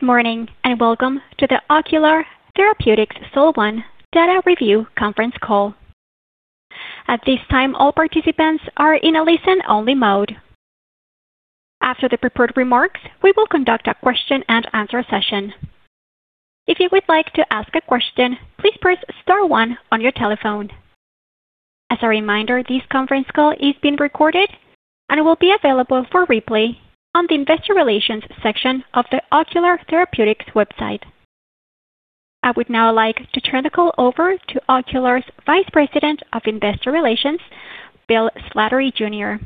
Good morning, welcome to the Ocular Therapeutix SOL-1 Data Review Conference Call. At this time, all participants are in a listen-only mode. After the prepared remarks, we will conduct a question and answer session. If you would like to ask a question, please press star one on your telephone. As a reminder, this conference call is being recorded and will be available for replay on the investor relations section of the Ocular Therapeutix website. I would now like to turn the call over to Ocular's Vice President of Investor Relations, Bill Slattery Jr.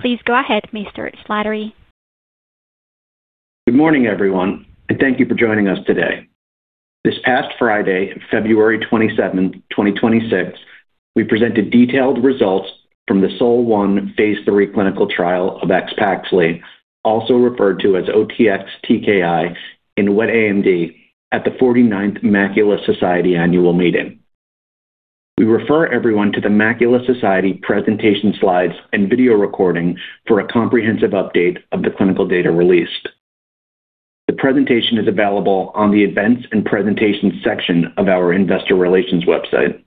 Please go ahead, Mr. Slattery. Good morning, everyone, and thank you for joining us today. This past Friday, February 27th, 2026, we presented detailed results from the SOL-1 phase III clinical trial of AXPAXLI, also referred to as OTX-TKI in wet AMD at the 49th Macular Society Annual Meeting. We refer everyone to the Macular Society presentation slides and video recording for a comprehensive update of the clinical data released. The presentation is available on the events and presentations section of our investor relations website.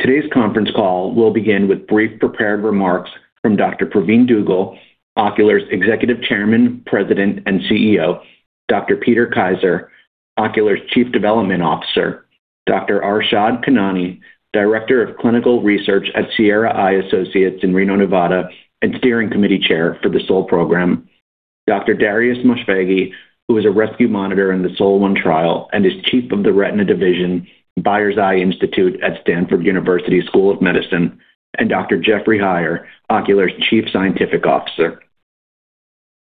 Today's conference call will begin with brief prepared remarks from Dr. Pravin Dugel, Ocular's Executive Chairman, President, and CEO, Dr. Peter Kaiser, Ocular's Chief Development Officer, Dr. Arshad Khanani, Director of Clinical Research at Sierra Eye Associates in Reno, Nevada, and Steering Committee Chair for the SOL Program. Darius M. Moshfeghi, who is a rescue monitor in the SOL-1 trial and is Chief of the Retina Division, Byers Eye Institute at Stanford University School of Medicine, and Dr. Jeffrey S. Heier, Ocular's Chief Scientific Officer.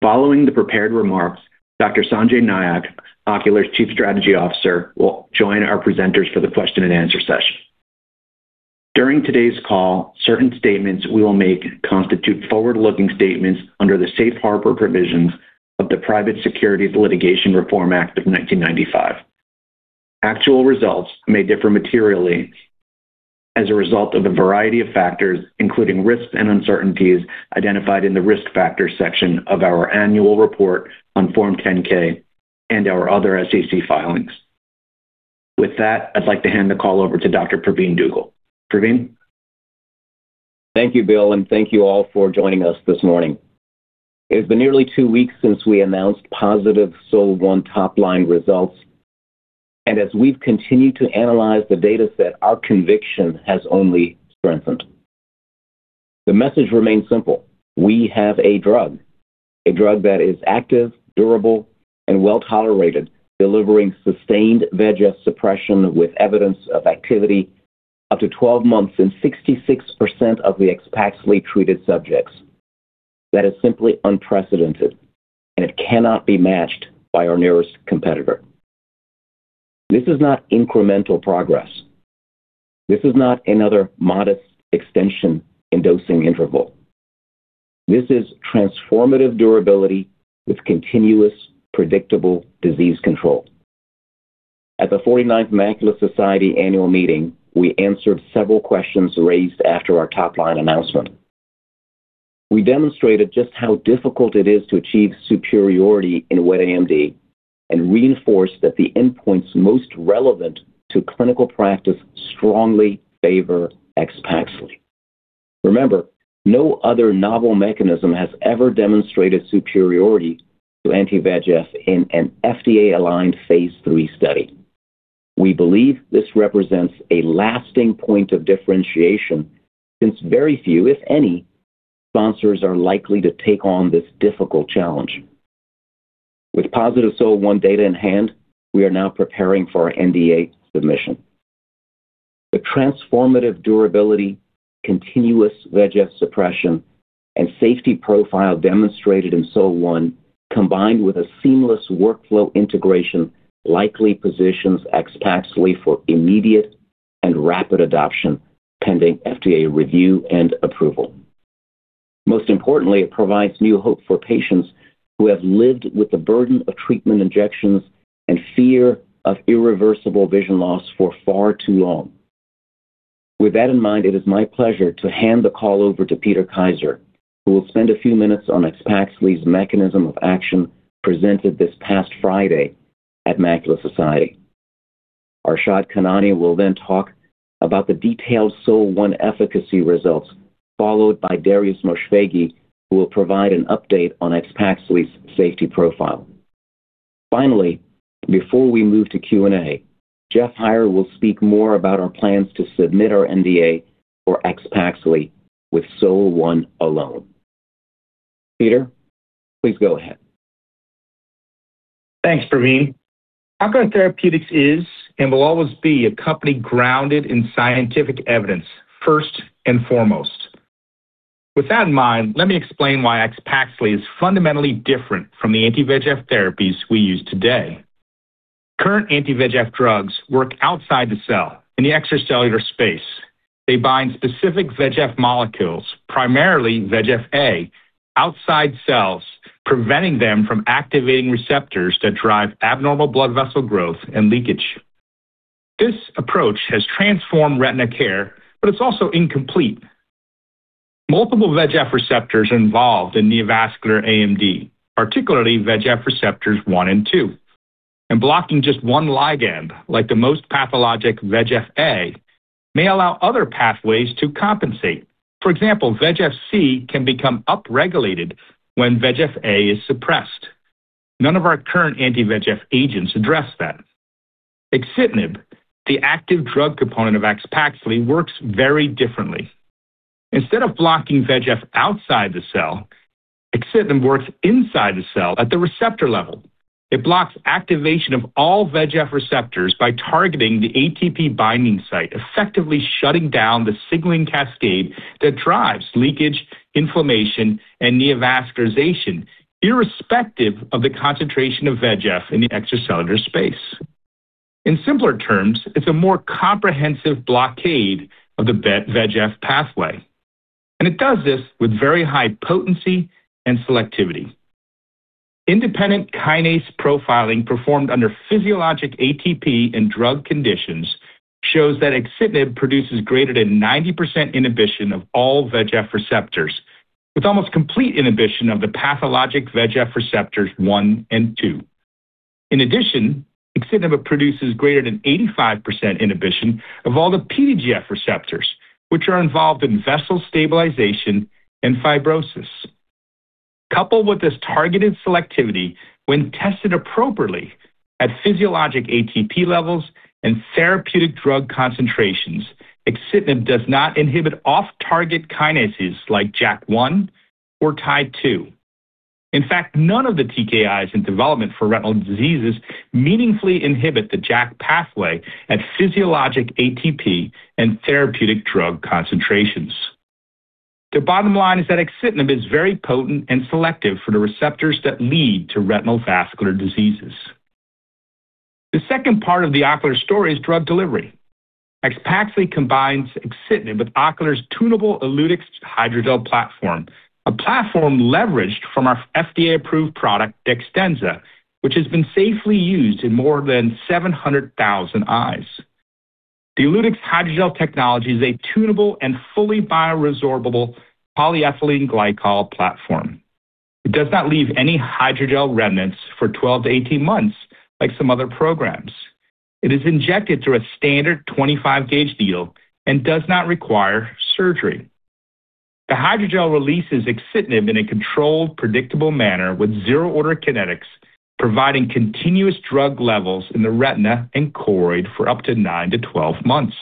Following the prepared remarks, Dr. Sanjay Nayak, Ocular's Chief Strategy Officer, will join our presenters for the question and answer session. During today's call, certain statements we will make constitute forward-looking statements under the safe harbor provisions of the Private Securities Litigation Reform Act of 1995. Actual results may differ materially as a result of a variety of factors, including risks and uncertainties identified in the Risk Factors section of our annual report on Form 10-K and our other SEC filings. I'd like to hand the call over to Dr. Pravin U. Dugel. Pravin. Thank you, Bill, and thank you all for joining us this morning. It has been nearly two weeks since we announced positive SOL-1 top-line results, and as we've continued to analyze the data set, our conviction has only strengthened. The message remains simple: We have a drug. A drug that is active, durable, and well-tolerated, delivering sustained VEGF suppression with evidence of activity up to 12 months in 66% of the AXPAXLI treated subjects. That is simply unprecedented, and it cannot be matched by our nearest competitor. This is not incremental progress. This is not another modest extension in dosing interval. This is transformative durability with continuous, predictable disease control. At the 49th Macula Society Annual Meeting, we answered several questions raised after our top-line announcement. We demonstrated just how difficult it is to achieve superiority in wet AMD and reinforced that the endpoints most relevant to clinical practice strongly favor AXPAXLI. Remember, no other novel mechanism has ever demonstrated superiority to anti-VEGF in an FDA-aligned phase III study. We believe this represents a lasting point of differentiation since very few, if any, sponsors are likely to take on this difficult challenge. With positive SOL-1 data in hand, we are now preparing for our NDA submission. The transformative durability, continuous VEGF suppression, and safety profile demonstrated in SOL-1, combined with a seamless workflow integration, likely positions AXPAXLI for immediate and rapid adoption pending FDA review and approval. Most importantly, it provides new hope for patients who have lived with the burden of treatment injections and fear of irreversible vision loss for far too long. With that in mind, it is my pleasure to hand the call over to Peter Kaiser, who will spend a few minutes on AXPAXLI's mechanism of action presented this past Friday at Macula Society. Arshad Khanani will then talk about the detailed SOL-1 efficacy results, followed by Darius M. Moshfeghi, who will provide an update on AXPAXLI's safety profile. Finally, before we move to Q&A, Jeff Heier will speak more about our plans to submit our NDA for AXPAXLI with SOL-1 alone. Peter, please go ahead. Thanks, Pravin. Ocular Therapeutix is and will always be a company grounded in scientific evidence, first and foremost. With that in mind, let me explain why AXPAXLI is fundamentally different from the anti-VEGF therapies we use today. Current anti-VEGF drugs work outside the cell in the extracellular space. They bind specific VEGF molecules, primarily VEGF-A, outside cells, preventing them from activating receptors that drive abnormal blood vessel growth and leakage. This approach has transformed retina care, but it's also incomplete. Multiple VEGF receptors are involved in neovascular AMD, particularly VEGF receptors 1 and 2. Blocking just one ligand, like the most pathologic VEGF-A, may allow other pathways to compensate. For example, VEGF-C can become upregulated when VEGF-A is suppressed. None of our current anti-VEGF agents address that. Axitinib, the active drug component of AXPAXLI, works very differently. Instead of blocking VEGF outside the cell, axitinib works inside the cell at the receptor level. It blocks activation of all VEGF receptors by targeting the ATP binding site, effectively shutting down the signaling cascade that drives leakage, inflammation, and neovascularization irrespective of the concentration of VEGF in the extracellular space. In simpler terms, it's a more comprehensive blockade of the VEGF pathway, and it does this with very high potency and selectivity. Independent kinase profiling performed under physiologic ATP and drug conditions shows that axitinib produces greater than 90% inhibition of all VEGF receptors, with almost complete inhibition of the pathologic VEGFR-1 and VEGFR-2. In addition, axitinib produces greater than 85% inhibition of all the PDGF receptors, which are involved in vessel stabilization and fibrosis. Coupled with this targeted selectivity when tested appropriately at physiologic ATP levels and therapeutic drug concentrations, axitinib does not inhibit off-target kinases like JAK1 or TIE2. In fact, none of the TKIs in development for retinal diseases meaningfully inhibit the JAK pathway at physiologic ATP and therapeutic drug concentrations. The bottom line is that axitinib is very potent and selective for the receptors that lead to retinal vascular diseases. The second part of the Ocular story is drug delivery. AXPAXLI combines axitinib with Ocular's tunable ELUTYX hydrogel platform, a platform leveraged from our FDA-approved product, DEXTENZA, which has been safely used in more than 700,000 eyes. The ELUTYX hydrogel technology is a tunable and fully bioresorbable polyethylene glycol platform. It does not leave any hydrogel remnants for 12-18 months like some other programs. It is injected through a standard 25 gauge needle and does not require surgery. The hydrogel releases axitinib in a controlled, predictable manner with zero-order kinetics, providing continuous drug levels in the retina and choroid for up to 9-12 months.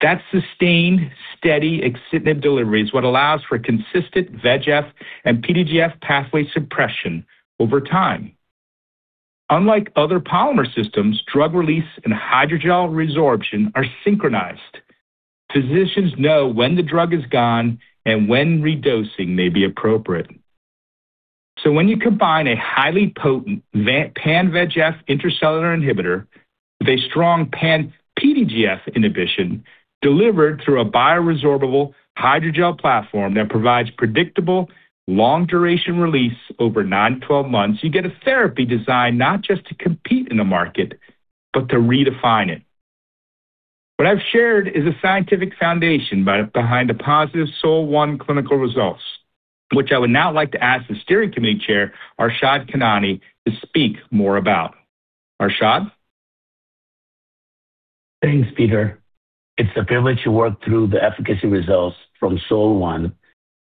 That sustained, steady axitinib delivery is what allows for consistent VEGF and PDGF pathway suppression over time. Unlike other polymer systems, drug release and hydrogel resorption are synchronized. Physicians know when the drug is gone and when redosing may be appropriate. When you combine a highly potent pan-VEGF intracellular inhibitor with a strong pan-PDGF inhibition delivered through a bioresorbable hydrogel platform that provides predictable long duration release over 9-12 months, you get a therapy designed not just to compete in the market, but to redefine it. What I've shared is a scientific foundation behind the positive SOL-1 clinical results, which I would now like to ask the steering committee chair, Arshad Khanani, to speak more about. Arshad. Thanks, Peter. It's a privilege to work through the efficacy results from SOL-1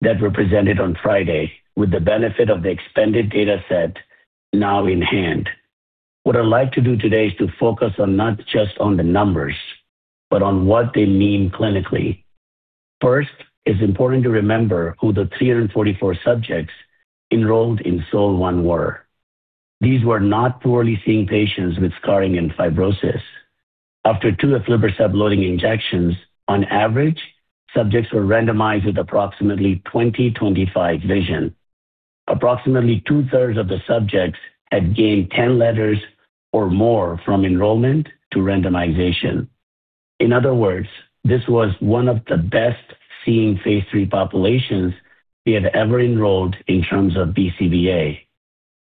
that were presented on Friday with the benefit of the expanded data set now in hand. What I'd like to do today is to focus on not just on the numbers, but on what they mean clinically. It's important to remember who the 344 subjects enrolled in SOL-1 were. These were not poorly seeing patients with scarring and fibrosis. After two aflibercept loading injections, on average, subjects were randomized with approximately 20/25 vision. Approximately two-thirds of the subjects had gained 10 letters or more from enrollment to randomization. This was one of the best seeing phase III populations we had ever enrolled in terms of BCVA.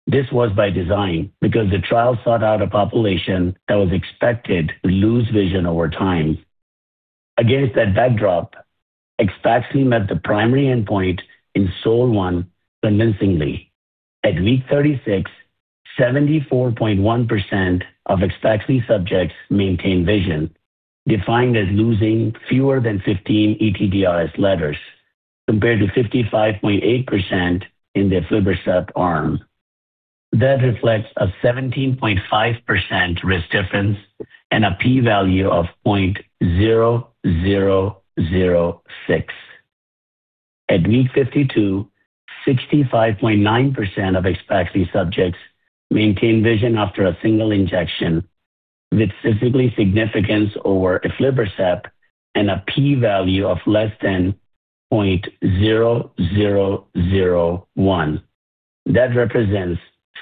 This was by design because the trial sought out a population that was expected to lose vision over time. Against that backdrop, AXPAXLI met the primary endpoint in SOL-1 convincingly. At week 36, 74.1% of AXPAXLI subjects maintained vision, defined as losing fewer than 15 ETDRS letters, compared to 55.8% in the aflibercept arm. That reflects a 17.5% risk difference and a p-value of 0.0006. At week 52, 65.9% of AXPAXLI subjects maintained vision after a single injection with statistically significance over aflibercept and a p-value of less than 0.0001. That represents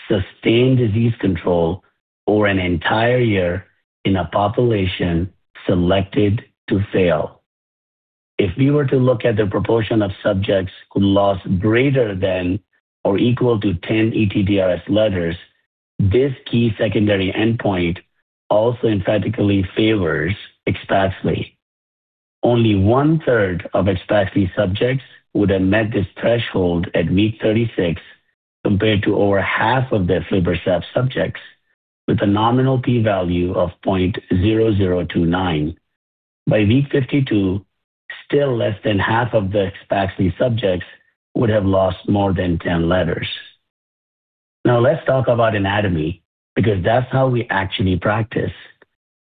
sustained disease control over an entire year in a population selected to fail. If we were to look at the proportion of subjects who lost greater than or equal to 10 ETDRS letters. This key secondary endpoint also emphatically favors AXPAXLI. Only one-third of AXPAXLI subjects would have met this threshold at week 36 compared to over half of the aflibercept subjects with a nominal P value of 0.0029. By week 52, still less than half of the AXPAXLI subjects would have lost more than 10 letters. Let's talk about anatomy because that's how we actually practice.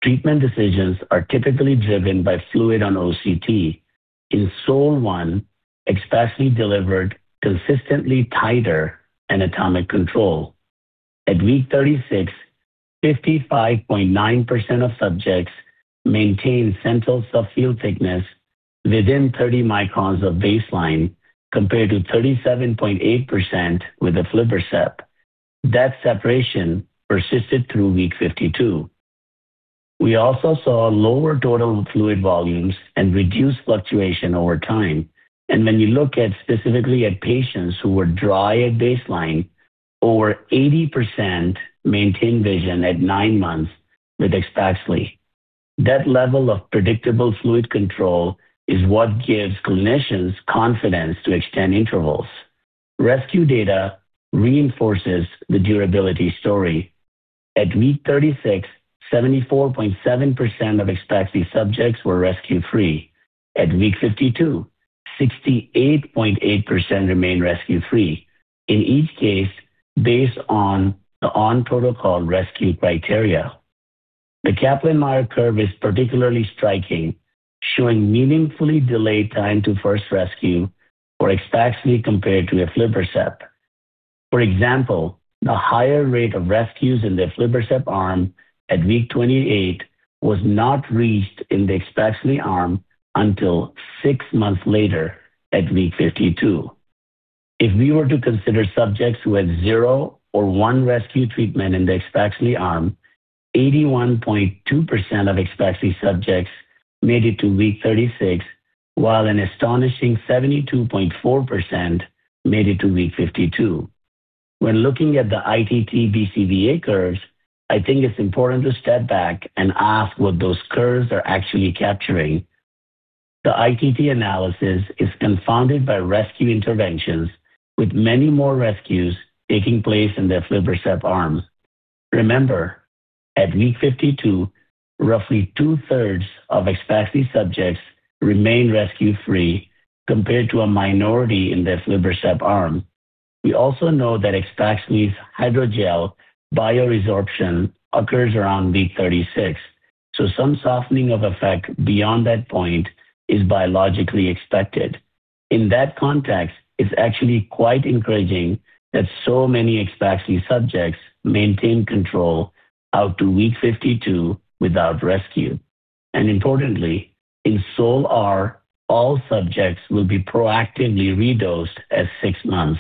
Treatment decisions are typically driven by fluid on OCT. In SOL-1, AXPAXLI delivered consistently tighter anatomic control. At week 36, 55.9% of subjects maintained central subfield thickness within 30 microns of baseline compared to 37.8% with aflibercept. That separation persisted through week 52. We also saw lower total fluid volumes and reduced fluctuation over time. When you look at specifically at patients who were dry at baseline, over 80% maintained vision at nine months with AXPAXLI. That level of predictable fluid control is what gives clinicians confidence to extend intervals. Rescue data reinforces the durability story. At week 36, 74.7% of AXPAXLI subjects were rescue-free. At week 52, 68.8% remained rescue-free, in each case based on the on-protocol rescue criteria. The Kaplan-Meier curve is particularly striking, showing meaningfully delayed time to first rescue for AXPAXLI compared to aflibercept. For example, the higher rate of rescues in the aflibercept arm at week 28 was not reached in the AXPAXLI arm until six months later at week 52. If we were to consider subjects who had zero or one rescue treatment in the AXPAXLI arm, 81.2% of AXPAXLI subjects made it to week 36, while an astonishing 72.4% made it to week 52. When looking at the ITT BCVA curves, I think it's important to step back and ask what those curves are actually capturing. The ITT analysis is confounded by rescue interventions, with many more rescues taking place in the aflibercept arms. Remember, at week 52, roughly 2/3 of AXPAXLI subjects remained rescue-free compared to a minority in the aflibercept arm. We also know that AXPAXLI's hydrogel bioresorption occurs around week 36, so some softening of effect beyond that point is biologically expected. In that context, it's actually quite encouraging that so many AXPAXLI subjects maintain control out to week 52 without rescue. Importantly, in SOL-R, all subjects will be proactively redosed at six months.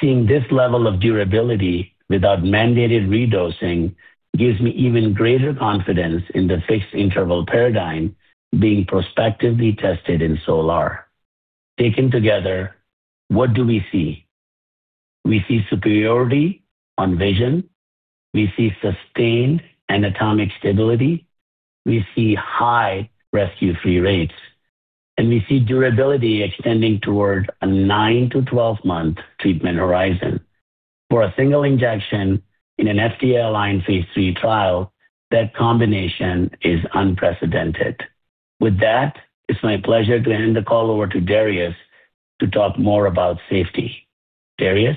Seeing this level of durability without mandated redosing gives me even greater confidence in the fixed interval paradigm being prospectively tested in SOL-R. Taken together, what do we see? We see superiority on vision. We see sustained anatomic stability. We see high rescue-free rates. We see durability extending toward a 9-12 month treatment horizon. For a single injection in an FDA-aligned phase III trial, that combination is unprecedented. With that, it's my pleasure to hand the call over to Darius to talk more about safety. Darius?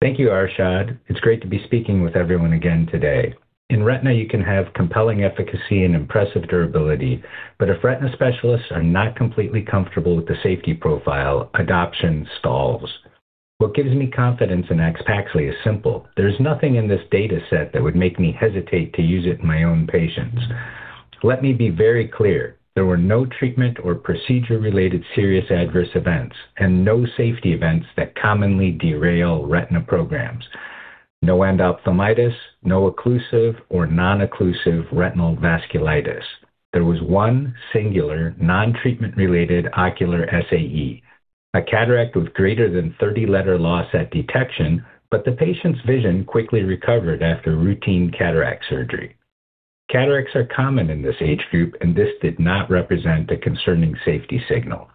Thank you, Arshad. It's great to be speaking with everyone again today. In retina, you can have compelling efficacy and impressive durability, but if retina specialists are not completely comfortable with the safety profile, adoption stalls. What gives me confidence in AXPAXLI is simple. There's nothing in this data set that would make me hesitate to use it in my own patients. Let me be very clear. There were no treatment or procedure-related serious adverse events and no safety events that commonly derail retina programs. No endophthalmitis, no occlusive or non-occlusive retinal vasculitis. There was one singular non-treatment related ocular SAE, a cataract with greater than 30 letter loss at detection, but the patient's vision quickly recovered after routine cataract surgery. Cataracts are common in this age group, and this did not represent a concerning safety signal.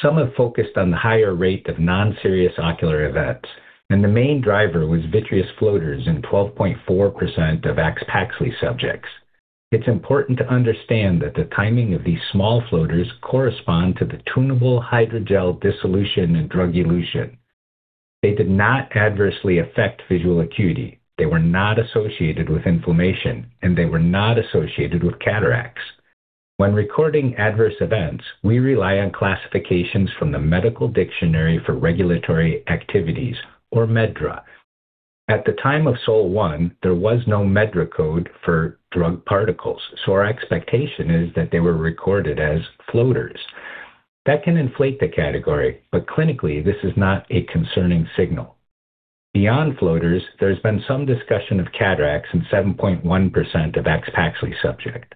Some have focused on the higher rate of non-serious ocular events, and the main driver was vitreous floaters in 12.4% of AXPAXLI subjects. It's important to understand that the timing of these small floaters correspond to the tunable hydrogel dissolution and drug elution. They did not adversely affect visual acuity. They were not associated with inflammation, and they were not associated with cataracts. When recording adverse events, we rely on classifications from the Medical Dictionary for Regulatory Activities, or MedDRA. At the time of SOL-1, there was no MedDRA code for drug particles, so our expectation is that they were recorded as floaters. That can inflate the category. Clinically this is not a concerning signal. Beyond floaters, there's been some discussion of cataracts in 7.1% of AXPAXLI subject.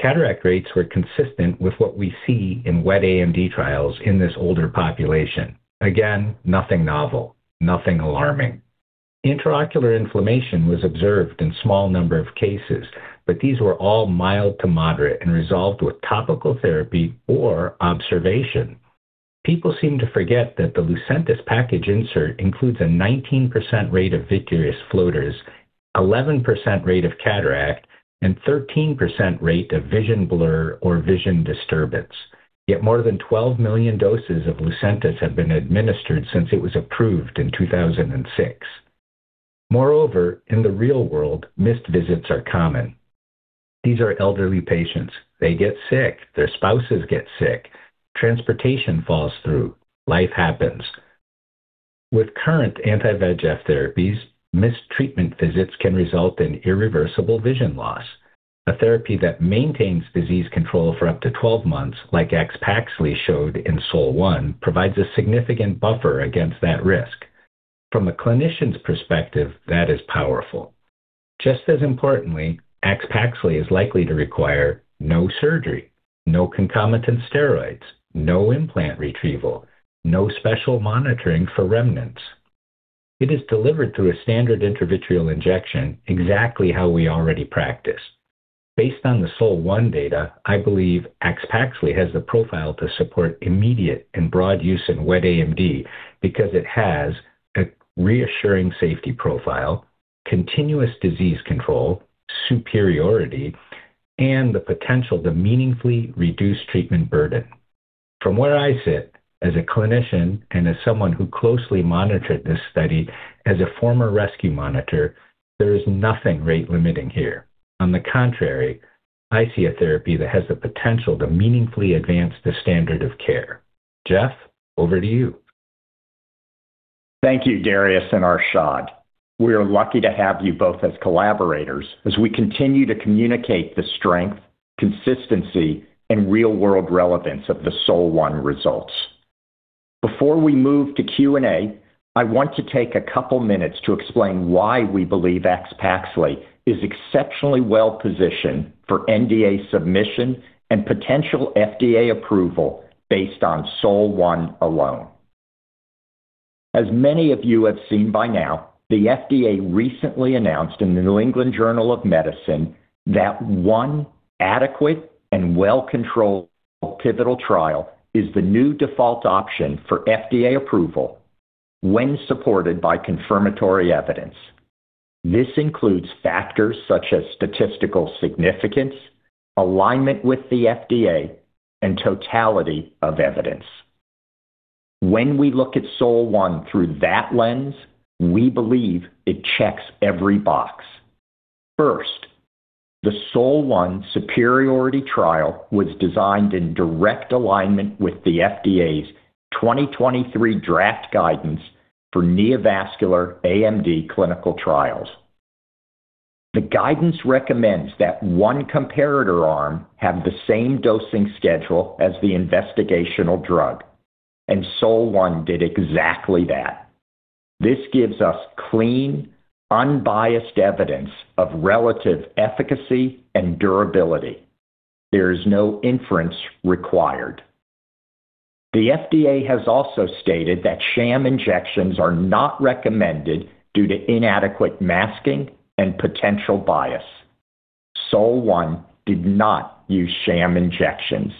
Cataract rates were consistent with what we see in wet AMD trials in this older population. Again, nothing novel, nothing alarming. Intraocular inflammation was observed in small number of cases, but these were all mild to moderate and resolved with topical therapy or observation. People seem to forget that the Lucentis package insert includes a 19% rate of vitreous floaters, 11% rate of cataract, and 13% rate of vision blur or vision disturbance. Yet more than 12 million doses of Lucentis have been administered since it was approved in 2006. Moreover, in the real world, missed visits are common. These are elderly patients. They get sick. Their spouses get sick. Transportation falls through. Life happens. With current anti-VEGF therapies, missed treatment visits can result in irreversible vision loss. A therapy that maintains disease control for up to 12 months, like AXPAXLI showed in SOL-1, provides a significant buffer against that risk. From a clinician's perspective, that is powerful. Just as importantly, AXPAXLI is likely to require no surgery, no concomitant steroids, no implant retrieval, no special monitoring for remnants. It is delivered through a standard intravitreal injection exactly how we already practice. Based on the SOL-1 data, I believe AXPAXLI has the profile to support immediate and broad use in wet AMD because it has a reassuring safety profile, continuous disease control, superiority, and the potential to meaningfully reduce treatment burden. From where I sit as a clinician and as someone who closely monitored this study as a former rescue monitor, there is nothing rate-limiting here. I see a therapy that has the potential to meaningfully advance the standard of care. Jeff, over to you. Thank you, Darius and Arshad. We are lucky to have you both as collaborators as we continue to communicate the strength, consistency, and real-world relevance of the SOL-1 results. Before we move to Q&A, I want to take a couple minutes to explain why we believe AXPAXLI is exceptionally well-positioned for NDA submission and potential FDA approval based on SOL-1 alone. As many of you have seen by now, the FDA recently announced in the New England Journal of Medicine that one adequate and well-controlled pivotal trial is the new default option for FDA approval when supported by confirmatory evidence. This includes factors such as statistical significance, alignment with the FDA, and totality of evidence. When we look at SOL-1 through that lens, we believe it checks every box. First, the SOL-1 superiority trial was designed in direct alignment with the FDA's 2023 draft guidance for neovascular AMD clinical trials. The guidance recommends that one comparator arm have the same dosing schedule as the investigational drug, and SOL-1 did exactly that. This gives us clean, unbiased evidence of relative efficacy and durability. There is no inference required. The FDA has also stated that sham injections are not recommended due to inadequate masking and potential bias. SOL-1 did not use sham injections.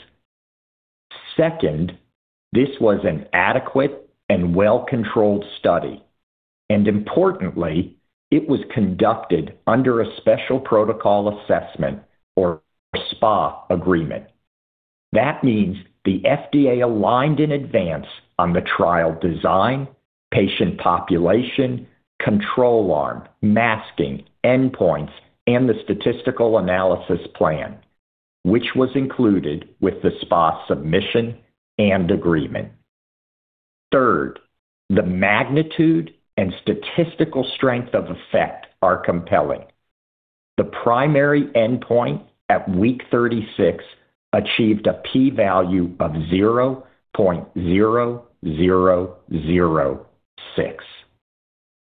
Second, this was an adequate and well-controlled study, and importantly, it was conducted under a Special Protocol Assessment or SPA agreement. That means the FDA aligned in advance on the trial design, patient population, control arm, masking, endpoints, and the statistical analysis plan, which was included with the SPA submission and agreement. Third, the magnitude and statistical strength of effect are compelling. The primary endpoint at week 36 achieved a P value of 0.0006.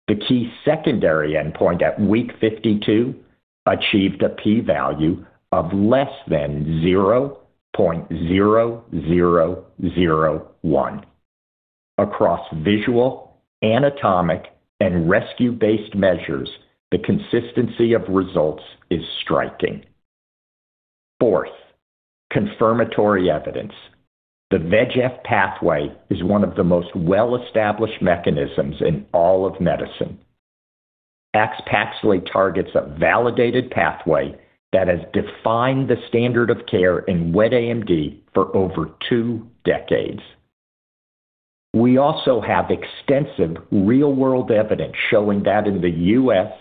The key secondary endpoint at week 52 achieved a P value of less than 0.0001. Across visual, anatomic, and rescue-based measures, the consistency of results is striking. Fourth, confirmatory evidence. The VEGF pathway is one of the most well-established mechanisms in all of medicine. AXPAXLI targets a validated pathway that has defined the standard of care in wet AMD for over two decades. We also have extensive real-world evidence showing that in the U.S.,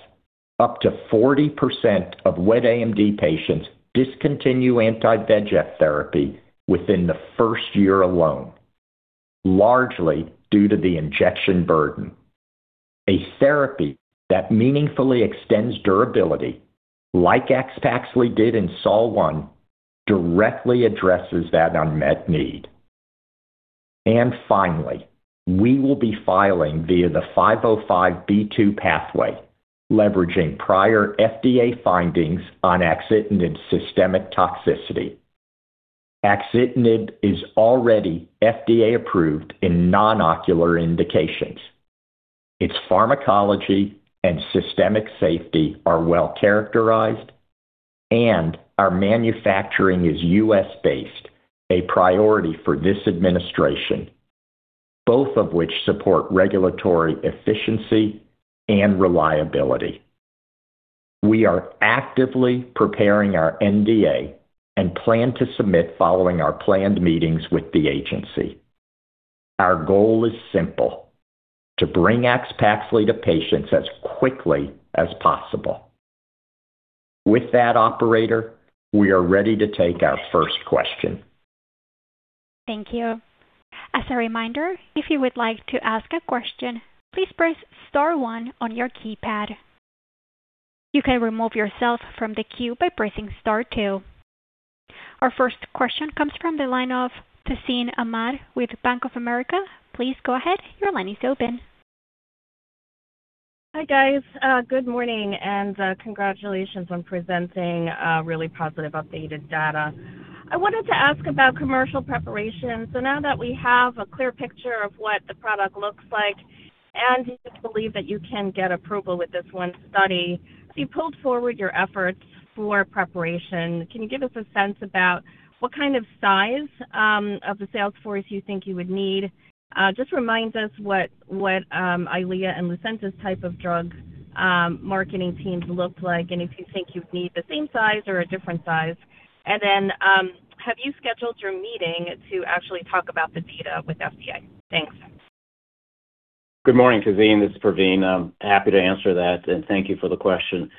up to 40% of wet AMD patients discontinue anti-VEGF therapy within the first year alone, largely due to the injection burden. A therapy that meaningfully extends durability, like AXPAXLI did in SOL-1, directly addresses that unmet need. Finally, we will be filing via the 505(b)(2) pathway, leveraging prior FDA findings on axitinib systemic toxicity. Axitinib is already FDA-approved in non-ocular indications. Its pharmacology and systemic safety are well characterized, and our manufacturing is U.S.-based, a priority for this administration, both of which support regulatory efficiency and reliability. We are actively preparing our NDA and plan to submit following our planned meetings with the agency. Our goal is simple: to bring AXPAXLI to patients as quickly as possible. With that, operator, we are ready to take our first question. Thank you. As a reminder, if you would like to ask a question, please press star one on your keypad. You can remove yourself from the queue by pressing star two. Our first question comes from the line of Tazeen Ahmad with Bank of America. Please go ahead. Your line is open. Hi, guys. good morning, and congratulations on presenting really positive updated data. I wanted to ask about commercial preparation. Now that we have a clear picture of what the product looks like, and you believe that you can get approval with this one study, have you pulled forward your efforts for preparation? Can you give us a sense about what kind of size of the sales force you think you would need? just remind us what EYLEA and Lucentis type of drug marketing teams look like, and if you think you'd need the same size or a different size. Then, have you scheduled your meeting to actually talk about the data with FDA? Thanks. Good morning, Tazeen. This is Pravin. I'm happy to answer that. Thank you for the question.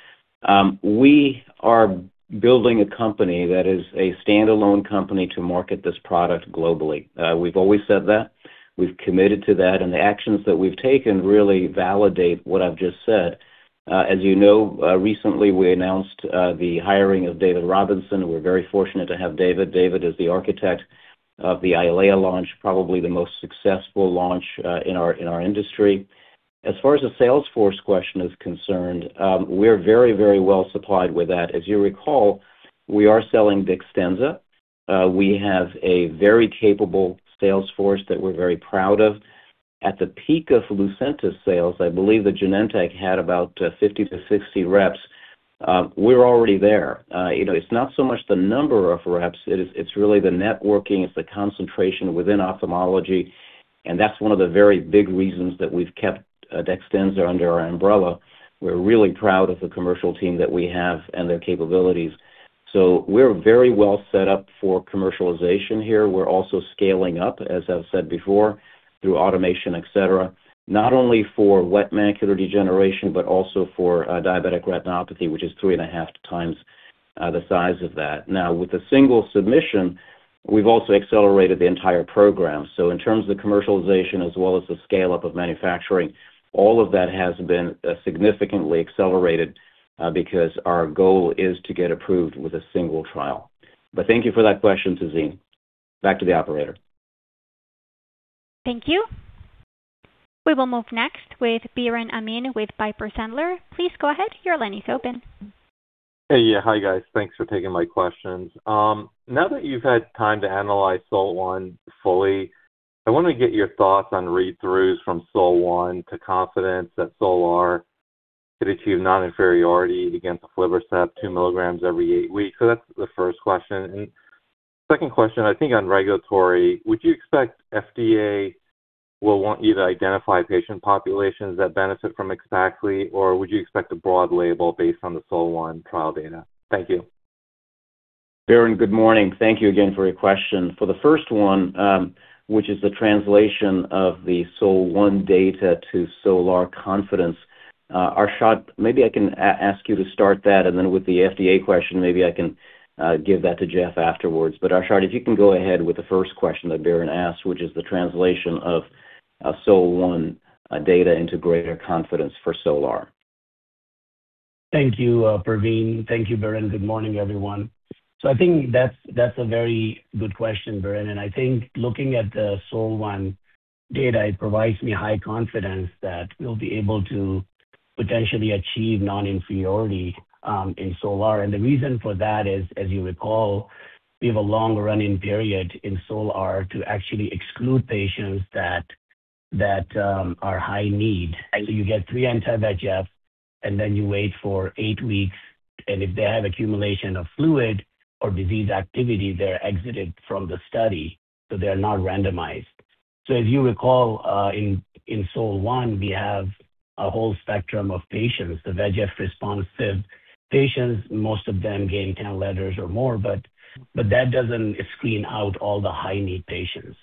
We are building a company that is a standalone company to market this product globally. We've always said that. We've committed to that. The actions that we've taken really validate what I've just said. As you know, recently, we announced the hiring of David Robinson. We're very fortunate to have David. David is the architect of the EYLEA launch, probably the most successful launch in our industry. As far as the sales force question is concerned, we're very well supplied with that. As you recall, we are selling DEXTENZA. We have a very capable sales force that we're very proud of. At the peak of Lucentis sales, I believe that Genentech had about 50 to 60 reps. We're already there. You know, it's not so much the number of reps. It's really the networking. It's the concentration within ophthalmology, and that's one of the very big reasons that we've kept DEXTENZA under our umbrella. We're really proud of the commercial team that we have and their capabilities. We're very well set up for commercialization here. We're also scaling up, as I've said before, through automation, et cetera, not only for wet macular degeneration but also for diabetic retinopathy, which is three and a half times the size of that. Now, with a single submission, we've also accelerated the entire program. In terms of commercialization as well as the scale-up of manufacturing, all of that has been significantly accelerated because our goal is to get approved with a single trial. Thank you for that question, Tazeen. Back to the operator. Thank you. We will move next with Biren Amin with Piper Sandler. Please go ahead. Your line is open. Hey. Yeah. Hi, guys. Thanks for taking my questions. Now that you've had time to analyze SOL-1 fully, I want to get your thoughts on read-throughs from SOL-1 to confidence that SOL-R could achieve non-inferiority against aflibercept 2 mg every eight weeks. That's the first question. Second question, I think on regulatory, would you expect FDA will want you to identify patient populations that benefit from AXPAXLI, or would you expect a broad label based on the SOL-1 trial data? Thank you. Biren, good morning. Thank Thank you again for your question. For the first one, which is the translation of the SOL-1 data to SOL-R confidence, Arshad, maybe I can ask you to start that, and then with the FDA question, maybe I can give that to Jeff afterwards. Arshad, if you can go ahead with the first question that Biren asked, which is the translation of SOL-1 data into greater confidence for SOL-R. Thank you, Pravin. Thank you, Biren. Good morning, everyone. I think that's a very good question, Biren, and I think looking at the SOL-1 data, it provides me high confidence that we'll be able to potentially achieve non-inferiority in SOL-R. The reason for that is, as you recall, we have a long run-in period in SOL-R to actually exclude patients that are high need. You get 3 anti-VEGF, and then you wait for 8 weeks, and if they have accumulation of fluid or disease activity, they're exited from the study, so they're not randomized. As you recall, in SOL-1, we have a whole spectrum of patients, the VEGF responsive patients, most of them gain 10 letters or more, but that doesn't screen out all the high-need patients.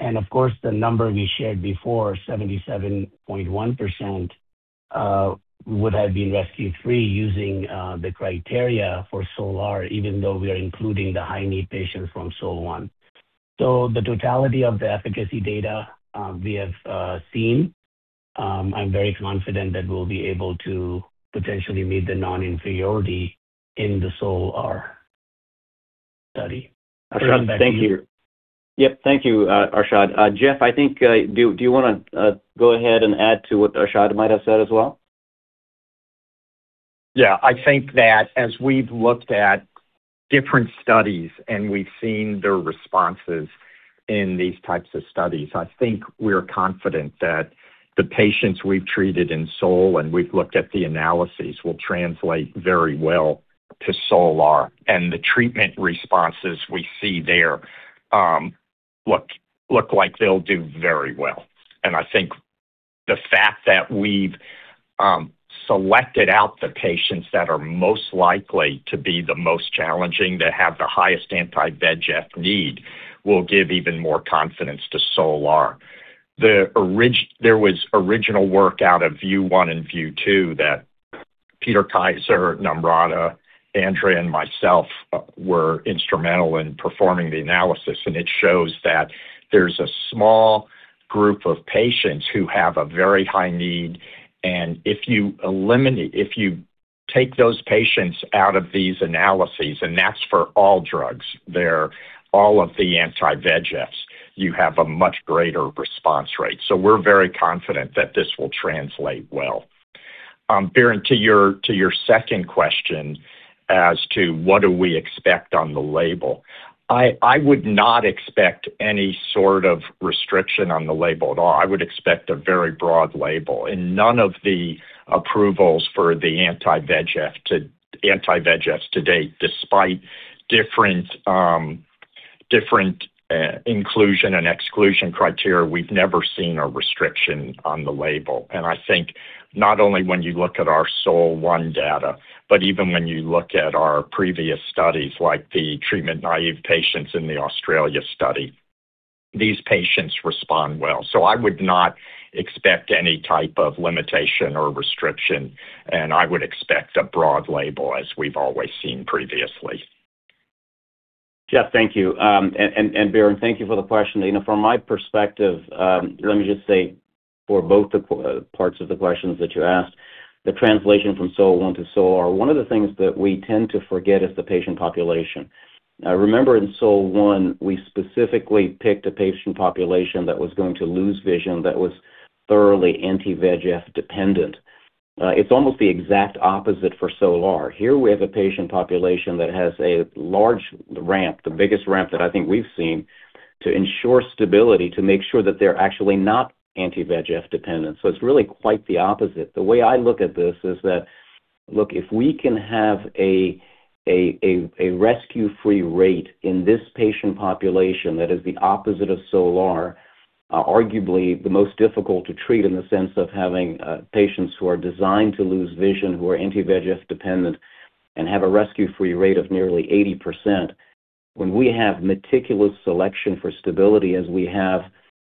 Of course, the number we shared before, 77.1%, would have been rescue-free using the criteria for SOL-R even though we are including the high-need patients from SOL-I. The totality of the efficacy data we have seen. I'm very confident that we'll be able to potentially meet the non-inferiority in the SOL-R study. Arshad, thank you. Yep. Thank you, Arshad. Jeff, I think, do you wanna go ahead and add to what Arshad might have said as well? I think that as we've looked at different studies and we've seen their responses in these types of studies, I think we're confident that the patients we've treated in SOL-1 and we've looked at the analyses will translate very well to SOL-R. The treatment responses we see there look like they'll do very well. I think the fact that we've selected out the patients that are most likely to be the most challenging, that have the highest anti-VEGF need, will give even more confidence to SOL-R. There was original work out of VIEW 1 and VIEW 2 that Peter Kaiser, Namrata, Andrea, and myself were instrumental in performing the analysis, and it shows that there's a small group of patients who have a very high need. If you take those patients out of these analyses, and that's for all drugs, they're all of the anti-VEGFs, you have a much greater response rate. We're very confident that this will translate well. Biren, to your second question as to what do we expect on the label. I would not expect any sort of restriction on the label at all. I would expect a very broad label. In none of the approvals for the anti-VEGFs to date, despite different inclusion and exclusion criteria, we've never seen a restriction on the label. I think not only when you look at our SOL-1 data, but even when you look at our previous studies, like the treatment-naive patients in the Australia Study, these patients respond well. I would not expect any type of limitation or restriction, and I would expect a broad label as we've always seen previously. Jeff, thank you. Biren, thank you for the question. You know, from my perspective, let me just say for both parts of the questions that you asked, the translation from SOL-1-SOL-R, one of the things that we tend to forget is the patient population. Remember in SOL-1, we specifically picked a patient population that was going to lose vision, that was thoroughly anti-VEGF dependent. It's almost the exact opposite for SOL-R. Here we have a patient population that has a large ramp, the biggest ramp that I think we've seen, to ensure stability, to make sure that they're actually not anti-VEGF dependent. It's really quite the opposite. The way I look at this is that, look, if we can have a rescue-free rate in this patient population that is the opposite of SOL-R, arguably the most difficult to treat in the sense of having patients who are designed to lose vision, who are anti-VEGF dependent and have a rescue-free rate of nearly 80%, when we have meticulous selection for stability as we have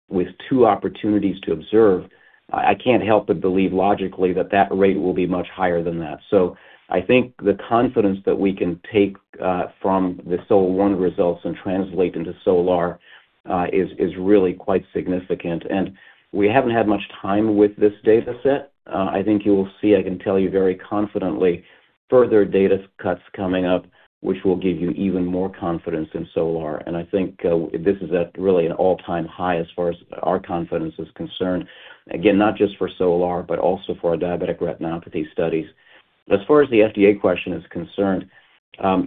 with two opportunities to observe, I can't help but believe logically that that rate will be much higher than that. I think the confidence that we can take from the SOL-1 results and translate into SOL-R, is really quite significant. We haven't had much time with this dataset. I think you will see, I can tell you very confidently, further data cuts coming up which will give you even more confidence in SOL-R. I think this is at really an all-time high as far as our confidence is concerned, again, not just for SOL-R, but also for our diabetic retinopathy studies. As far as the FDA question is concerned,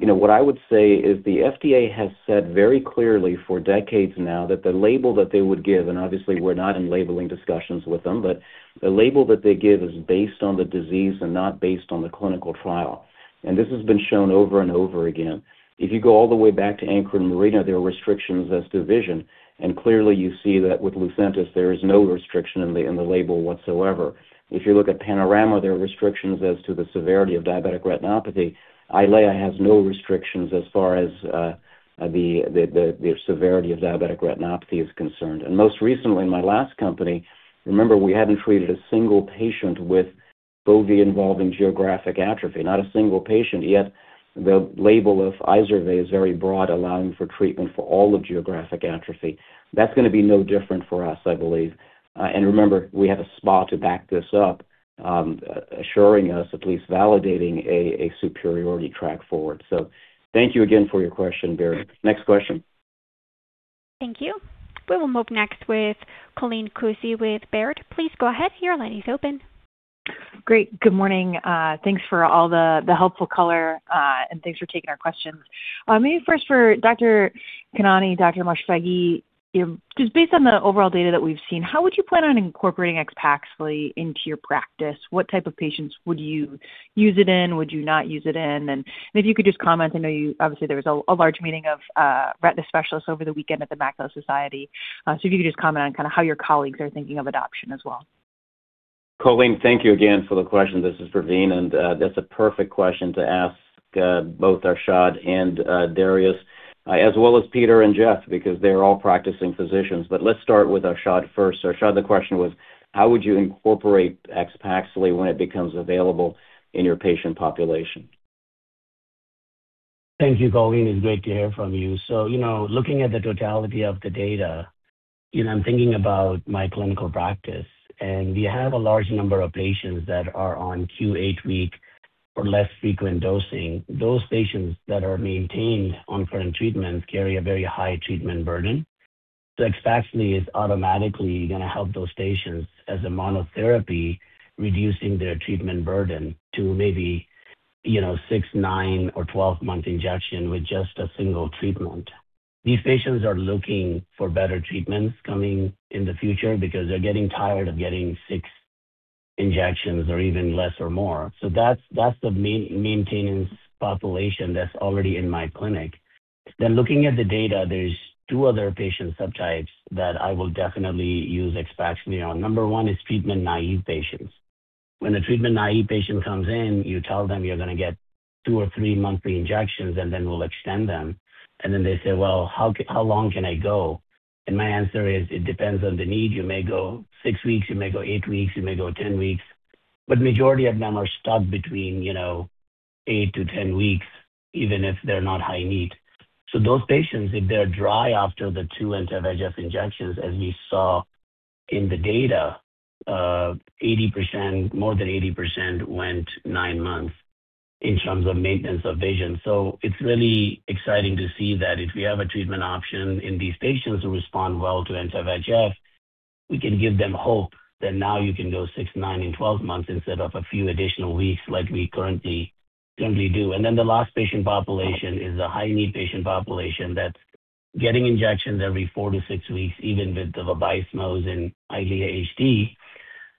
you know, what I would say is the FDA has said very clearly for decades now that the label that they would give, and obviously we're not in labeling discussions with them, but the label that they give is based on the disease and not based on the clinical trial. This has been shown over and over again. If you go all the way back to ANCHOR and MARINA, there are restrictions as to vision, and clearly you see that with Lucentis there is no restriction in the, in the label whatsoever. If you look at PANORAMA, there are restrictions as to the severity of diabetic retinopathy. EYLEA has no restrictions as far as the, the severity of diabetic retinopathy is concerned. Most recently, my last company, remember we hadn't treated a single patient with fovea involving geographic atrophy, not a single patient, yet the label of IZERVAY is very broad, allowing for treatment for all the geographic atrophy. That's gonna be no different for us, I believe. Remember, we have SPA to back this up, assuring us, at least validating a superiority track forward. Thank you again for your question, Biren. Next question. Thank you. We will move next with Colleen Kusy with Baird. Please go ahead. Your line is open. Great. Good morning. Thanks for all the helpful color, and thanks for taking our questions. Maybe first for Dr. Khanani, Dr. Moshfeghi, just based on the overall data that we've seen, how would you plan on incorporating AXPAXLI into your practice? What type of patients would you use it in? Would you not use it in? If you could just comment, obviously, there was a large meeting of retina specialists over the weekend at The Macula Society. If you could just comment on kinda how your colleagues are thinking of adoption as well. Colleen, thank you again for the question. This is Pravin, and that's a perfect question to ask both Arshad and Darius, as well as Peter and Jeff, because they're all practicing physicians. Let's start with Arshad first. Arshad, the question was, how would you incorporate AXPAXLI when it becomes available in your patient population? Thank you, Colleen. It's great to hear from you. You know, looking at the totality of the data, you know, I'm thinking about my clinical practice, we have a large number of patients that are on Q eight-week or less frequent dosing. Those patients that are maintained on current treatments carry a very high treatment burden. AXPAXLI is automatically going to help those patients as a monotherapy, reducing their treatment burden to maybe, you know, six, nine, or 12-month injection with just a single treatment. These patients are looking for better treatments coming in the future because they're getting tired of getting six injections or even less or more. That's the maintenance population that's already in my clinic. Looking at the data, there's two other patient subtypes that I will definitely use AXPAXLI on. Number one is treatment-naive patients. When a treatment-naive patient comes in, you tell them, "You're going to get two or three monthly injections, and then we'll extend them." Then they say, "Well, how long can I go?" My answer is, "It depends on the need. You may go six weeks, you may go eight weeks, you may go 10 weeks." Majority of them are stuck between, you know, 8-10 weeks, even if they're not high need. Those patients, if they're dry after the two anti-VEGF injections, as we saw in the data, 80% more than 80% went nine months in terms of maintenance of vision. It's really exciting to see that if we have a treatment option in these patients who respond well to anti-VEGF, we can give them hope that now you can go six, nine, and 12 months instead of a few additional weeks like we currently do. The last patient population is a high-need patient population that's getting injections every four to six weeks, even with the Vabysmo and Eylea HD.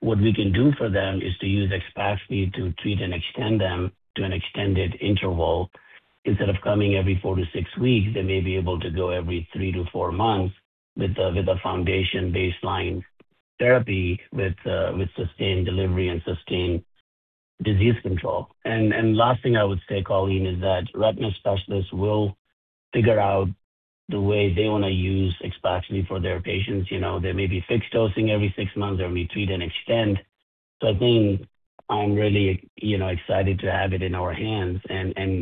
What we can do for them is to use AXPAXLI to treat and extend them to an extended interval. Instead of coming every four to six weeks, they may be able to go every three to four months with a foundation baseline therapy with sustained delivery and sustained disease control. Last thing I would say, Colleen, is that retina specialists will figure out the way they want to use AXPAXLI for their patients. You know, they may be fixed dosing every six months or may treat and extend. I think I'm really, you know, excited to have it in our hands.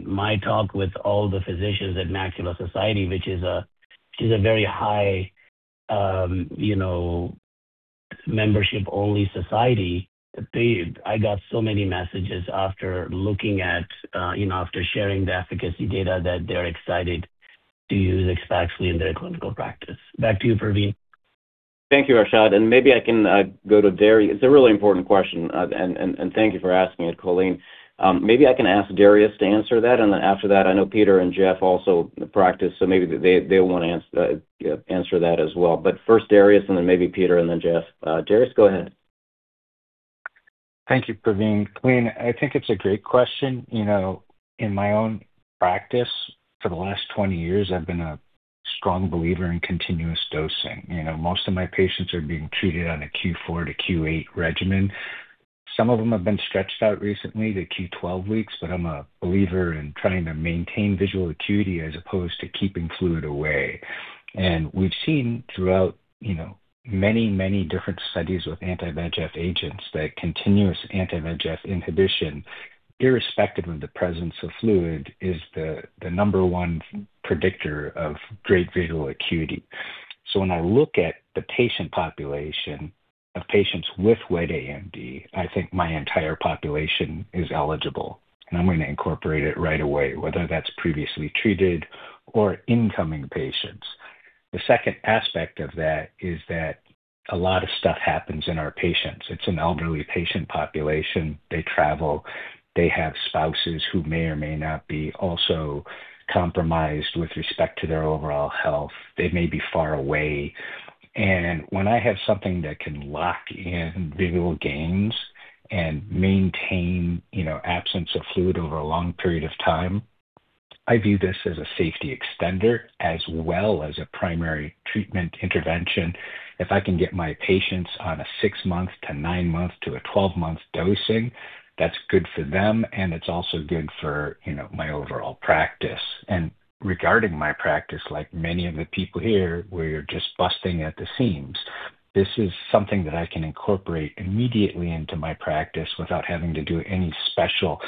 My talk with all the physicians at The Macula Society, which is a very high, you know, membership-only society, I got so many messages after looking at, you know, after sharing the efficacy data that they're excited to use AXPAXLI in their clinical practice. Back to you, Pravin. Thank you, Arshad. Maybe I can go to Darius. It's a really important question, and thank you for asking it, Colleen. Maybe I can ask Darius to answer that. Then after that, I know Peter and Jeff also practice, so maybe they want to answer that as well. First Darius, then maybe Peter, then Jeff. Darius, go ahead. Thank you, Pravin. Colleen, I think it's a great question. You know, in my own practice, for the last 20 years, I've been a strong believer in continuous dosing. You know, most of my patients are being treated on a Q4-Q8 regimen. Some of them have been stretched out recently to Q12 weeks, but I'm a believer in trying to maintain visual acuity as opposed to keeping fluid away. We've seen throughout, you know, many, many different studies with anti-VEGF agents that continuous anti-VEGF inhibition, irrespective of the presence of fluid, is the number 1 predictor of great visual acuity. When I look at the patient population of patients with wet AMD, I think my entire population is eligible, and I'm going to incorporate it right away, whether that's previously treated or incoming patients. The second aspect of that is that a lot of stuff happens in our patients. It's an elderly patient population. They travel. They have spouses who may or may not be also compromised with respect to their overall health. They may be far away. When I have something that can lock in visual gains and maintain, you know, absence of fluid over a long period of time, I view this as a safety extender as well as a primary treatment intervention. If I can get my patients on a six-month to nine-month to a 12-month dosing, that's good for them, and it's also good for, you know, my overall practice. Regarding my practice, like many of the people here, we're just busting at the seams. This is something that I can incorporate immediately into my practice without having to do any special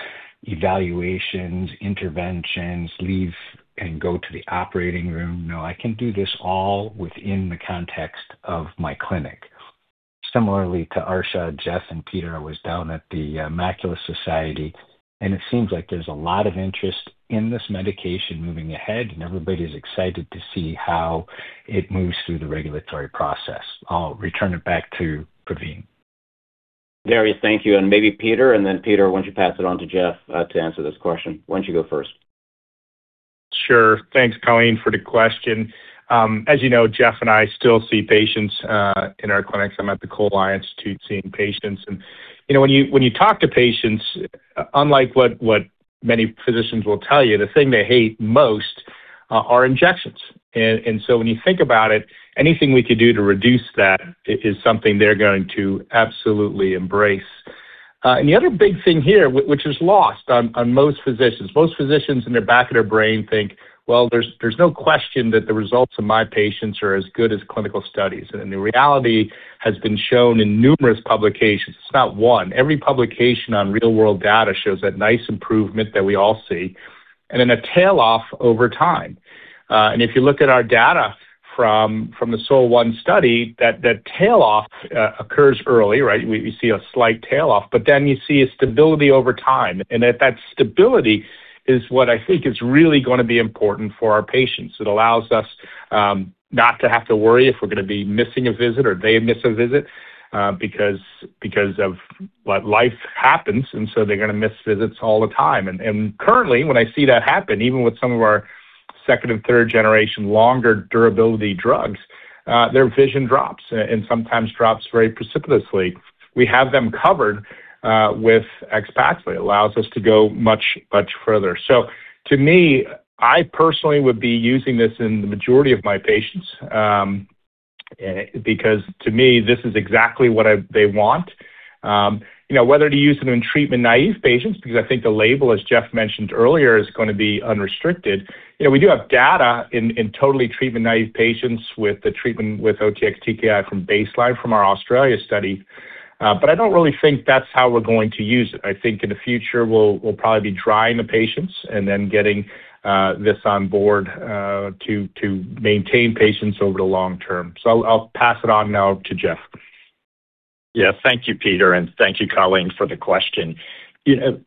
evaluations, interventions, leave and go to the operating room. No, I can do this all within the context of my clinic. Similarly to Arshad, Jeff, and Peter, I was down at The Macula Society. It seems like there's a lot of interest in this medication moving ahead, and everybody's excited to see how it moves through the regulatory process. I'll return it back to Pravin. Darius, thank you. Maybe Peter, and then Peter why don't you pass it on to Jeff to answer this question. Why don't you go first? Sure. Thanks, Colleen, for the question. As you know, Jeff and I still see patients in our clinics. I'm at the Cole Eye Institute seeing patients. You know, when you talk to patients, unlike what many physicians will tell you, the thing they hate most are injections. So when you think about it, anything we could do to reduce that is something they're going to absolutely embrace. The other big thing here, which is lost on most physicians, most physicians in the back of their brain think, "Well, there's no question that the results of my patients are as good as clinical studies." The reality has been shown in numerous publications. It's not one. Every publication on real-world data shows that nice improvement that we all see. A tail off over time. If you look at our data from the SOL-1 study that tail off occurs early, right? We see a slight tail off, you see a stability over time. That stability is what I think is really gonna be important for our patients. It allows us not to have to worry if we're gonna be missing a visit or they miss a visit because life happens, they're gonna miss visits all the time. Currently, when I see that happen, even with some of our second and third generation longer durability drugs, their vision drops and sometimes drops very precipitously. We have them covered with AXPAXLI. It allows us to go much, much further. To me, I personally would be using this in the majority of my patients, because to me this is exactly what they want. You know, whether to use them in treatment-naive patients because I think the label, as Jeffrey Heier mentioned earlier, is gonna be unrestricted. You know, we do have data in totally treatment-naive patients with the treatment with OTX-TKI from baseline from our Australia study, but I don't really think that's how we're going to use it. I think in the future we'll probably be trying the patients and then getting this on board to maintain patients over the long term. I'll pass it on now to Jeffrey Heier. Yeah. Thank you, Peter, and thank you Colleen for the question. You know,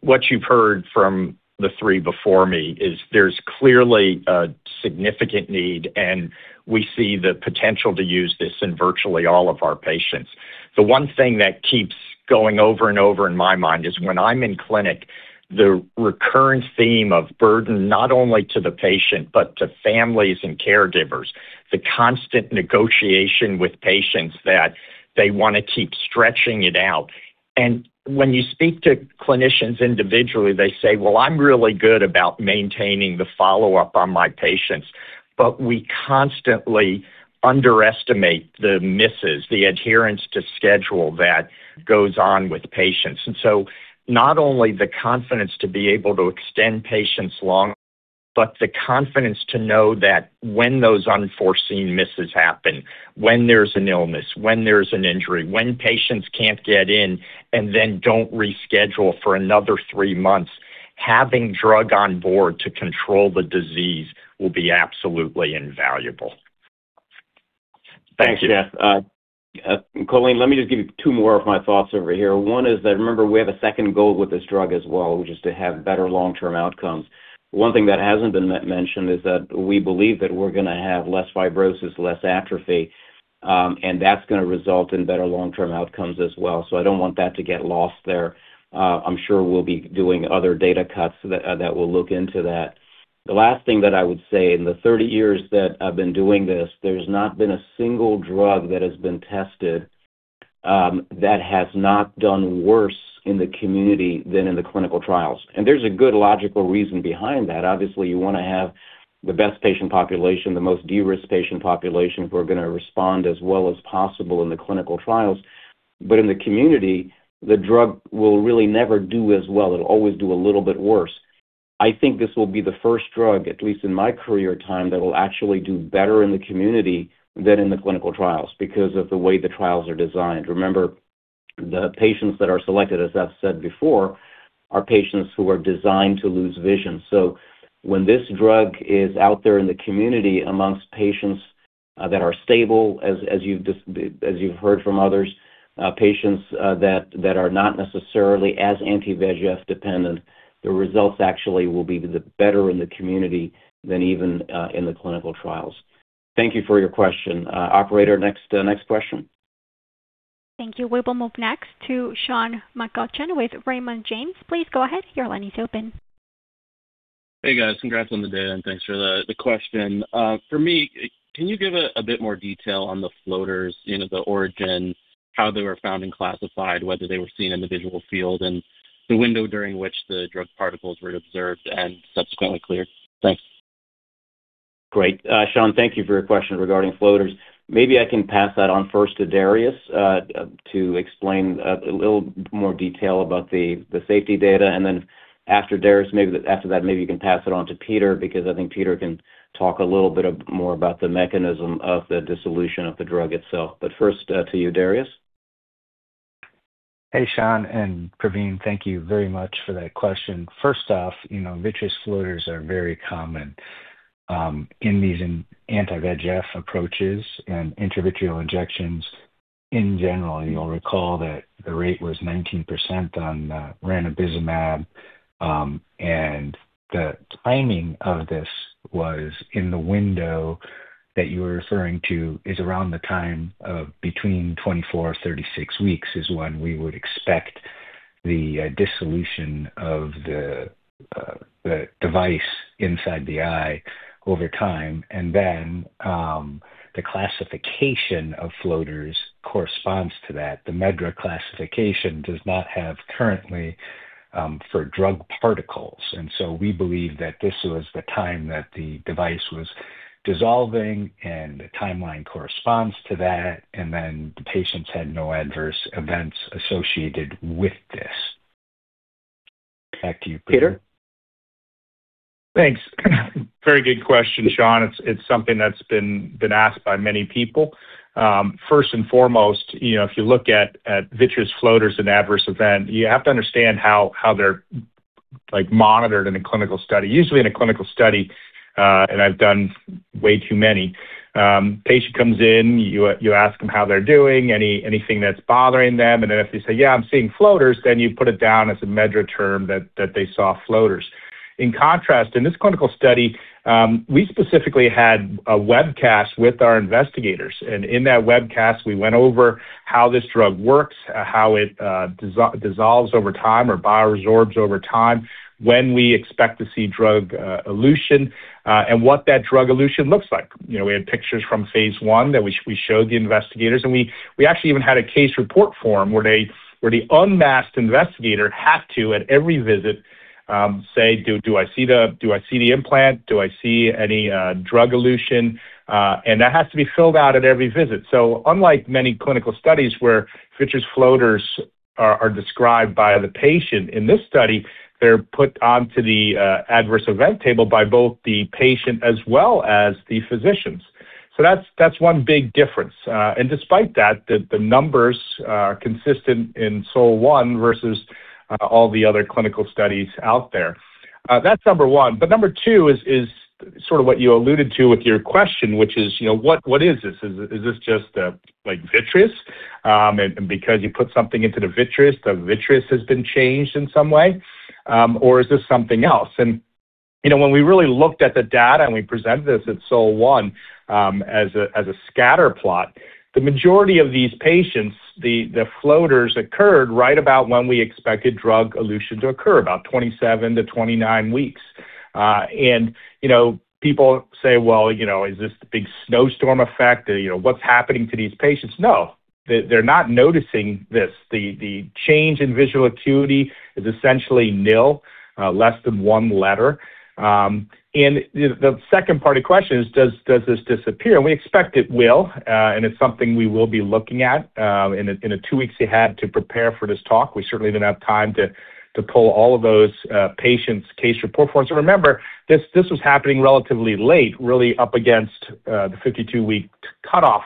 what you've heard from the three before me is there's clearly a significant need, and we see the potential to use this in virtually all of our patients. The one thing that keeps going over and over in my mind is when I'm in clinic, the recurrent theme of burden not only to the patient but to families and caregivers, the constant negotiation with patients that they wanna keep stretching it out. When you speak to clinicians individually, they say, "Well, I'm really good about maintaining the follow-up on my patients." We constantly underestimate the misses, the adherence to schedule that goes on with patients. Not only the confidence to be able to extend patients long, but the confidence to know that when those unforeseen misses happen, when there's an illness, when there's an injury, when patients can't get in and then don't reschedule for another three months, having drug on board to control the disease will be absolutely invaluable. Thanks, Jeff. Colleen, let me just give you two more of my thoughts over here. One is that remember we have a second goal with this drug as well, which is to have better long-term outcomes. One thing that hasn't been mentioned is that we believe that we're gonna have less fibrosis, less atrophy, and that's gonna result in better long-term outcomes as well. I don't want that to get lost there. I'm sure we'll be doing other data cuts that will look into that. The last thing that I would say, in the 30 years that I've been doing this, there's not been one single drug that has been tested that has not done worse in the community than in the clinical trials. There's a good logical reason behind that. You wanna have the best patient population, the most de-risked patient population who are gonna respond as well as possible in the clinical trials. In the community, the drug will really never do as well. It'll always do a little bit worse. I think this will be the first drug, at least in my career time, that will actually do better in the community than in the clinical trials because of the way the trials are designed. The patients that are selected, as I've said before, are patients who are designed to lose vision. When this drug is out there in the community amongst patients that are stable, as you've just, as you've heard from others, patients that are not necessarily as anti-VEGF dependent, the results actually will be the better in the community than even in the clinical trials. Thank you for your question. operator, next question. Thank you. We will move next to Sean McCutcheon with Raymond James. Please go ahead. Your line is open. Hey, guys. Congrats on the day. Thanks for the question. For me, can you give a bit more detail on the floaters, you know, the origin, how they were found and classified, whether they were seen in the visual field, and the window during which the drug particles were observed and subsequently cleared? Thanks. Great. Sean, thank you for your question regarding floaters. Maybe I can pass that on first to Darius to explain a little more detail about the safety data. After Darius, after that, maybe you can pass it on to Peter, because I think Peter can talk a little bit more about the mechanism of the dissolution of the drug itself. First, to you, Darius. Hey, Sean and Pravin. Thank you very much for that question. First off, you know, vitreous floaters are very common, in these in anti-VEGF approaches and intravitreal injections in general. You'll recall that the rate was 19% on ranibizumab. The timing of this was in the window that you were referring to is around the time of between 24 or 36 weeks is when we would expect the dissolution of the device inside the eye over time. The classification of floaters corresponds to that. The MedDRA classification does not have currently, for drug particles, and so we believe that this was the time that the device was dissolving, and the timeline corresponds to that. The patients had no adverse events associated with this. Back to you, Peter. Thanks. Very good question, Sean. It's something that's been asked by many people. First and foremost, you know, if you look at vitreous floaters as an adverse event, you have to understand how they're, like, monitored in a clinical study. Usually in a clinical study, and I've done way too many, patient comes in, you ask them how they're doing, anything that's bothering them. If they say, "Yeah, I'm seeing floaters," then you put it down as a MedDRA term that they saw floaters. In contrast, in this clinical study, we specifically had a webcast with our investigators. In that webcast, we went over how this drug works, how it dissolves over time or bio resorbs over time, when we expect to see drug elution, and what that drug elution looks like. You know, we had pictures from phase I that we showed the investigators. We actually even had a case report form where the unmasked investigator had to at every visit say, "Do I see the implant? Do I see any drug elution?" That has to be filled out at every visit. Unlike many clinical studies where vitreous floaters are described by the patient, in this study, they're put onto the adverse event table by both the patient as well as the physicians. That's one big difference. Despite that, the numbers are consistent in SOL-1 versus all the other clinical studies out there. That's number one. Number two is sort of what you alluded to with your question, which is, you know, what is this? Is this just a, like, vitreous, and because you put something into the vitreous, the vitreous has been changed in some way, or is this something else? You know, when we really looked at the data and we presented this at SOL-1, as a, as a scatter plot, the majority of these patients, the floaters occurred right about when we expected drug elution to occur, about 27-29 weeks. You know, people say, "Well, you know, is this the big snowstorm effect? You know, what's happening to these patients?" No. They're not noticing this. The change in visual acuity is essentially nil, less than one letter. The second part of question is does this disappear? We expect it will, and it's something we will be looking at. In the two weeks we had to prepare for this talk, we certainly didn't have time to pull all of those patients' case report forms. Remember, this was happening relatively late, really up against the 52-week cutoff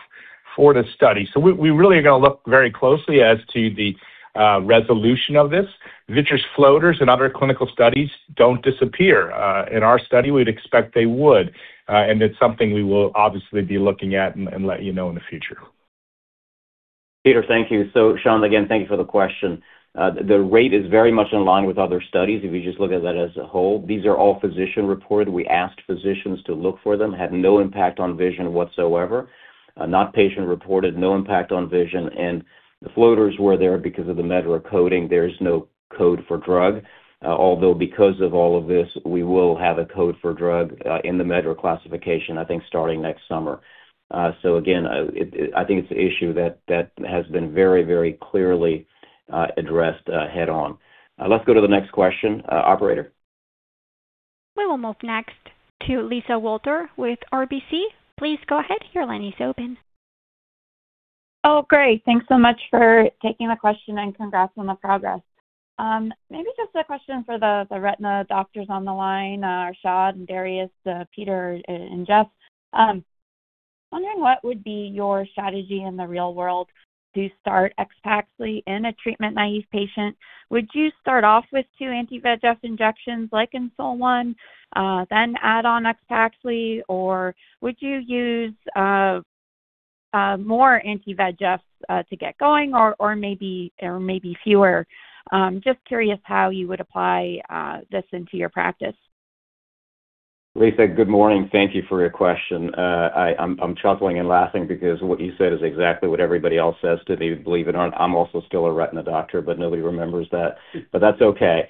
for the study. We really are gonna look very closely as to the resolution of this. Vitreous floaters in other clinical studies don't disappear. In our study, we'd expect they would. It's something we will obviously be looking at and let you know in the future. Peter, thank you. Sean, again, thank you for the question. The rate is very much in line with other studies if you just look at that as a whole. These are all physician-reported. We asked physicians to look for them. Had no impact on vision whatsoever. Not patient-reported, no impact on vision. The floaters were there because of the MedDRA coding. There is no code for drug. Although because of all of this, we will have a code for drug in the MedDRA classification, I think, starting next summer. Again, I think it's an issue that has been very, very clearly addressed head-on. Let's go to the next question. Operator. We will move next to Lisa Walter with RBC. Please go ahead. Your line is open. Oh, great. Thanks so much for taking the question. Congrats on the progress. Maybe just a question for the retina doctors on the line, Arshad and Darius, Peter and Jeff. Wondering what would be your strategy in the real world to start AXPAXLI in a treatment-naive patient? Would you start off with two anti-VEGF injections like in SOL-1, then add on AXPAXLI? Would you use more anti-VEGFs to get going or maybe fewer? Just curious how you would apply this into your practice? Lisa, good morning. Thank you for your question. I'm chuckling and laughing because what you said is exactly what everybody else says to me, believe it or not. I'm also still a retina doctor. Nobody remembers that. That's okay.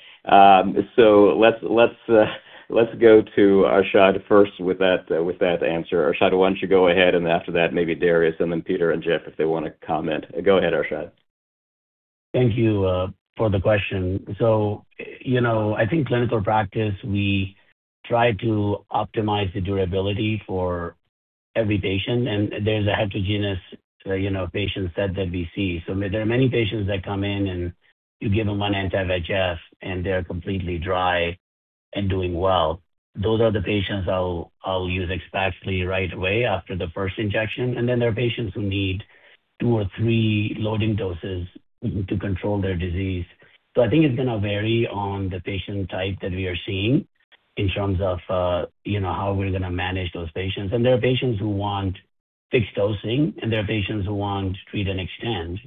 Let's go to Arshad first with that, with that answer. Arshad, why don't you go ahead, and after that, maybe Darius and then Peter and Jeff if they wanna comment. Go ahead, Arshad. Thank you for the question. You know, I think clinical practice, we try to optimize the durability for every patient, and there's a heterogeneous, you know, patient set that we see. There are many patients that come in and you give them one anti-VEGF, and they're completely dry and doing well. Those are the patients I'll use AXPAXLI right away after the 1st injection. There are patients who need two or three loading doses to control their disease. I think it's gonna vary on the patient type that we are seeing in terms of, you know, how we're gonna manage those patients. There are patients who want fixed dosing, and there are patients who want treat and extend.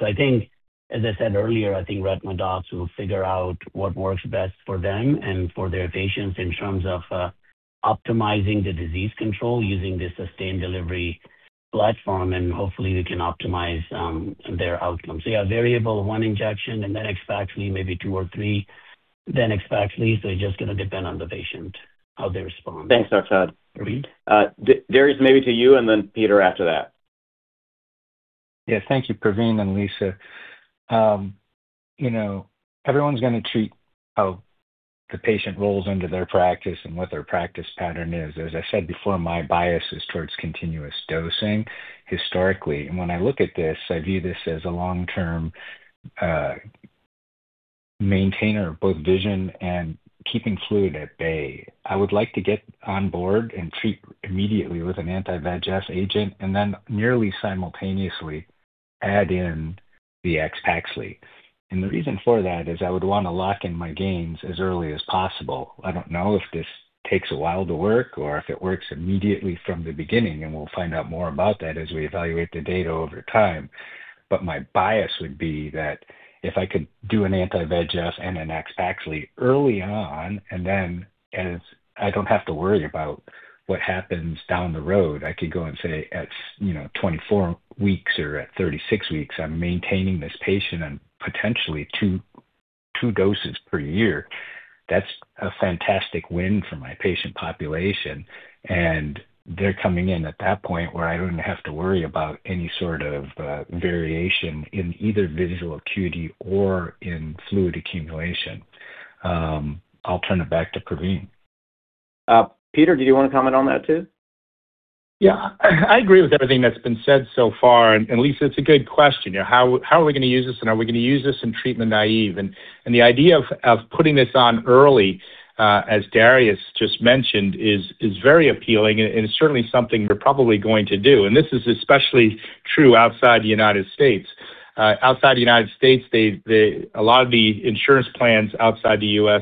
I think, as I said earlier, I think retina docs will figure out what works best for them and for their patients in terms of optimizing the disease control using this sustained delivery platform, and hopefully we can optimize their outcomes. Yeah, variable one injection and then AXPAXLI maybe two or three, then AXPAXLI. It's just gonna depend on the patient, how they respond. Thanks, Arshad. Darius, maybe to you and then Peter after that. Yeah. Thank you, Pravin and Lisa. you know, everyone's gonna treat how the patient rolls into their practice and what their practice pattern is. As I said before, my bias is towards continuous dosing historically. When I look at this, I view this as a long-term maintainer of both vision and keeping fluid at bay. I would like to get on board and treat immediately with an anti-VEGF agent and then nearly simultaneously add in the AXPAXLI. The reason for that is I would want to lock in my gains as early as possible. I don't know if this takes a while to work or if it works immediately from the beginning, and we'll find out more about that as we evaluate the data over time. My bias would be that if I could do an anti-VEGF and an AXPAXLI early on and then as I don't have to worry about what happens down the road, I could go and say at, you know, 24 weeks or at 36 weeks, I'm maintaining this patient on potentially 2 doses per year. That's a fantastic win for my patient population. They're coming in at that point where I don't have to worry about any sort of variation in either visual acuity or in fluid accumulation. I'll turn it back to Pravin. Peter, do you want to comment on that too? Yeah. I agree with everything that's been said so far. Lisa, it's a good question. You know, how are we going to use this, and are we going to use this in treatment-naive? The idea of putting this on early, as Darius just mentioned, is very appealing and is certainly something we're probably going to do. This is especially true outside the United States. Outside the United States, they a lot of the insurance plans outside the US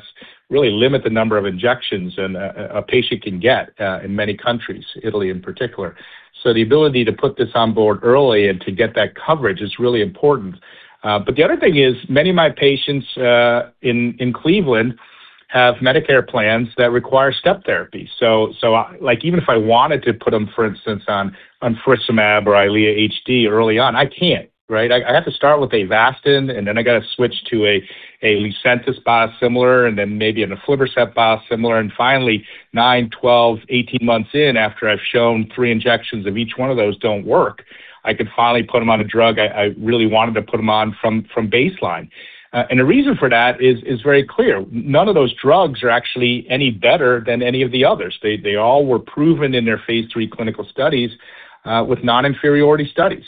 really limit the number of injections a patient can get in many countries, Italy in particular. The ability to put this on board early and to get that coverage is really important. The other thing is many of my patients in Cleveland have Medicare plans that require step therapy. Like, even if I wanted to put them, for instance, on aflibercept or EYLEA HD early on, I can't, right? I have to start with Avastin, I got to switch to a Lucentis biosimilar, maybe an aflibercept biosimilar. Finally, nine, 12, 18 months in after I've shown three injections of each one of those don't work, I can finally put them on a drug I really wanted to put them on from baseline. The reason for that is very clear. None of those drugs are actually any better than any of the others. They all were proven in their phase III clinical studies with non-inferiority studies.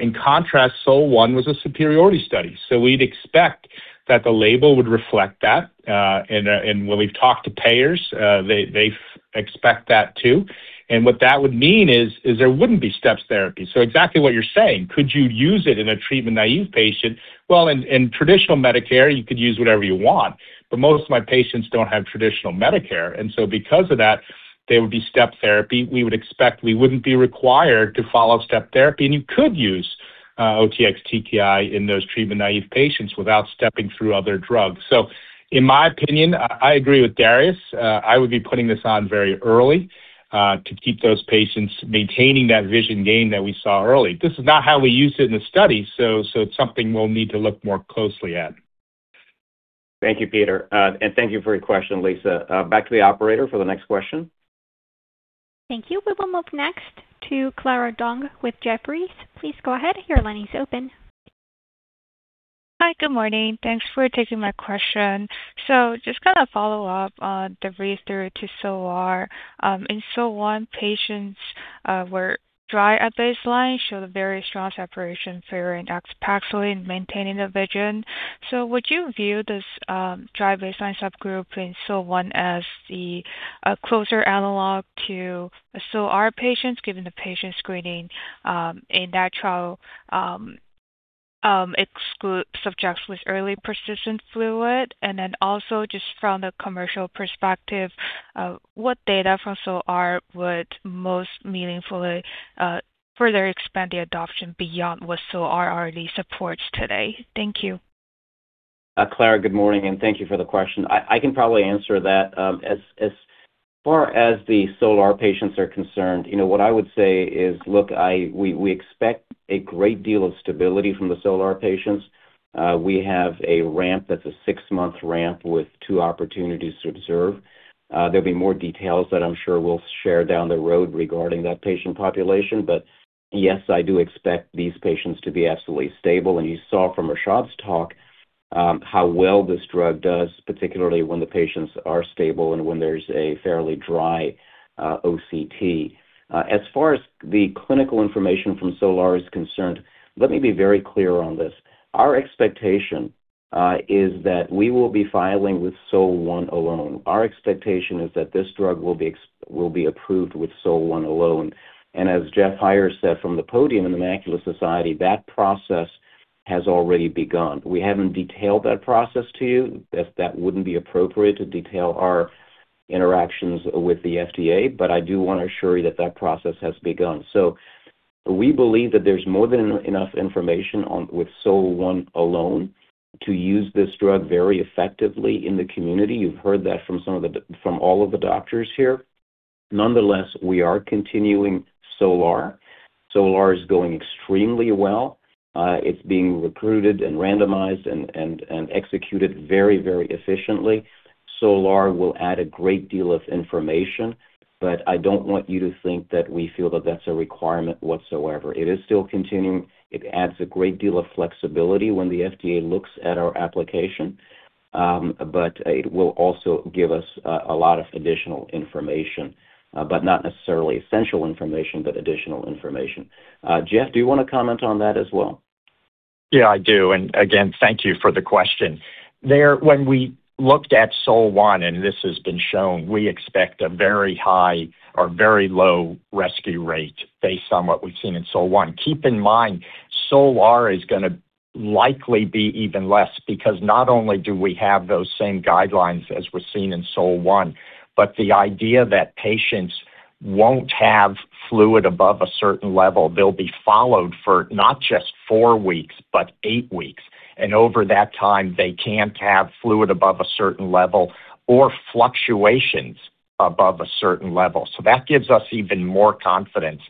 In contrast, SOL-1 was a superiority study. We'd expect that the label would reflect that. When we've talked to payers, they expect that too. What that would mean is there wouldn't be step therapy. Exactly what you're saying. Could you use it in a treatment-naive patient? Well, in traditional Medicare, you could use whatever you want. Most of my patients don't have traditional Medicare, because of that, there would be step therapy. We would expect we wouldn't be required to follow step therapy, you could use OTX-TKI in those treatment-naive patients without stepping through other drugs. In my opinion, I agree with Darius. I would be putting this on very early to keep those patients maintaining that vision gain that we saw early. This is not how we used it in the study, so it's something we'll need to look more closely at. Thank you, Peter. Thank you for your question, Lisa. Back to the operator for the next question. Thank you. We will move next to Clara Dong with Jefferies. Please go ahead. Your line is open. Hi. Good morning. Thanks for taking my question. Just kind of follow up on the read-through to SOL-R. In SOL-1, patients were dry at baseline, showed a very strong separation for AXPAXLI in maintaining the vision. Would you view this dry baseline subgroup in SOL-1 as the closer analog to SOL-R patients, given the patient screening in that trial excludes subjects with early persistent fluid? Just from the commercial perspective, what data from SOL-R would most meaningfully further expand the adoption beyond what SOL-R already supports today? Thank you. Clara, good morning, thank you for the question. I can probably answer that. As far as the SOL-R patients are concerned, you know what I would say is, look, we expect a great deal of stability from the SOL-R patients. We have a ramp that's a six-month ramp with two opportunities to observe. There'll be more details that I'm sure we'll share down the road regarding that patient population. Yes, I do expect these patients to be absolutely stable. You saw from Arshad's talk, how well this drug does, particularly when the patients are stable and when there's a fairly dry OCT. As far as the clinical information from SOL-R is concerned, let me be very clear on this. Our expectation is that we will be filing with SOL-1 alone. Our expectation is that this drug will be approved with SOL-1 alone. As Jeffrey Heier said from the podium in The Macula Society, that process has already begun. We haven't detailed that process to you, as that wouldn't be appropriate to detail our interactions with the FDA. I do want to assure you that that process has begun. We believe that there's more than enough information with SOL-1 alone to use this drug very effectively in the community. You've heard that from all of the doctors here. Nonetheless, we are continuing SOL-R. SOL-R is going extremely well. It's being recruited and randomized and executed very, very efficiently. SOL-R will add a great deal of information, but I don't want you to think that we feel that that's a requirement whatsoever. It is still continuing. It adds a great deal of flexibility when the FDA looks at our application. It will also give us a lot of additional information, but not necessarily essential information, but additional information. Jeff, do you want to comment on that as well? Yeah, I do. Again, thank you for the question. When we looked at SOL-1, and this has been shown, we expect a very high or very low rescue rate based on what we've seen in SOL-1. Keep in mind, SOL-R is going to likely be even less because not only do we have those same guidelines as we're seeing in SOL-1, but the idea that patients won't have fluid above a certain level, they'll be followed for not just four weeks, but eight weeks. Over that time, they can't have fluid above a certain level or fluctuations above a certain level. That gives us even more confidence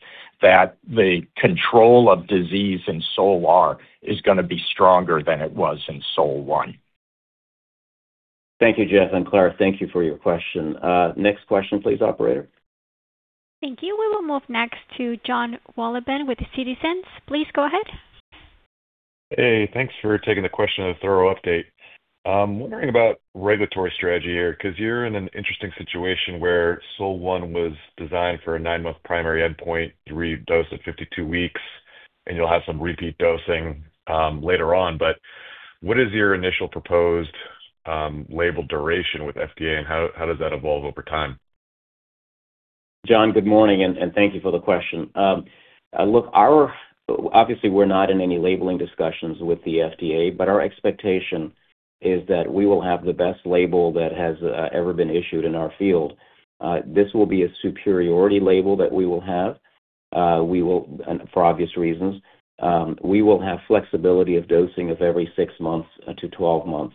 that the control of disease in SOL-R is going to be stronger than it was in SOL-1. Thank you, Jeff. Clara, thank you for your question. Next question please, operator. Thank you. We will move next to John Wolleben with Citizens. Please go ahead. Hey, thanks for taking the question and a thorough update. Wondering about regulatory strategy here, 'cause you're in an interesting situation where SOL-1 was designed for a 9-month primary endpoint, redosed at 52 weeks, and you'll have some repeat dosing later on. What is your initial proposed label duration with FDA, and how does that evolve over time? John, good morning, and thank you for the question. Look, obviously, we're not in any labeling discussions with the FDA, but our expectation is that we will have the best label that has ever been issued in our field. This will be a superiority label that we will have. For obvious reasons. We will have flexibility of dosing of every six months to 12 months.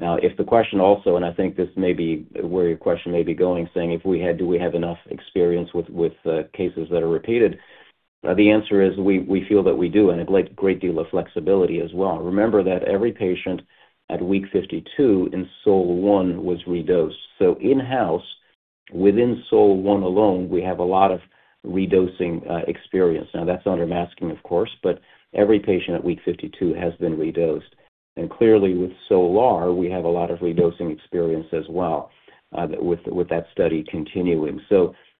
If the question also, and I think this may be where your question may be going, saying if we had, do we have enough experience with cases that are repeated? The answer is we feel that we do and a great deal of flexibility as well. Remember that every patient at week 52 in SOL-1 was redosed. In-house, within SOL-1 alone, we have a lot of redosing experience. That's under masking, of course, but every patient at week 52 has been redosed. Clearly with SOL-R, we have a lot of redosing experience as well, with that study continuing.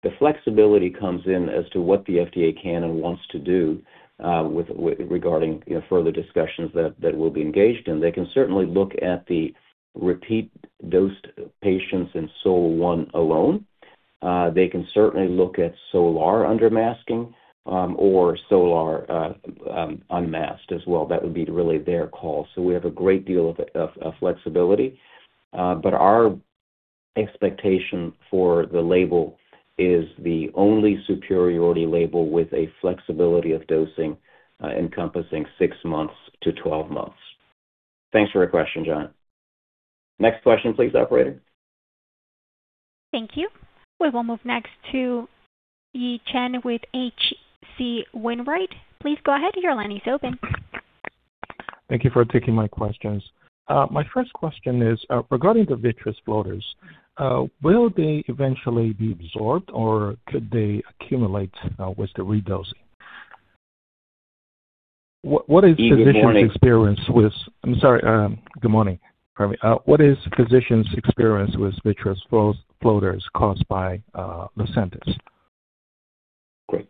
The flexibility comes in as to what the FDA can and wants to do, regarding, you know, further discussions that we'll be engaged in. They can certainly look at the repeat-dosed patients in SOL-1 alone. They can certainly look at SOL-R under masking, or SOL-R unmasked as well. That would be really their call. We have a great deal of flexibility. But our expectation for the label is the only superiority label with a flexibility of dosing, encompassing 6 months to 12 months. Thanks for your question, John. Next question, please, operator. Thank you. We will move next to Yi Chen with H.C. Wainwright. Please go ahead. Your line is open. Thank you for taking my questions. My first question is regarding the vitreous floaters, will they eventually be absorbed, or could they accumulate with the redosing? What is Yi, good morning. I'm sorry. Good morning. Pardon me. What is physician's experience with vitreous float, floaters caused by Lucentis? Great.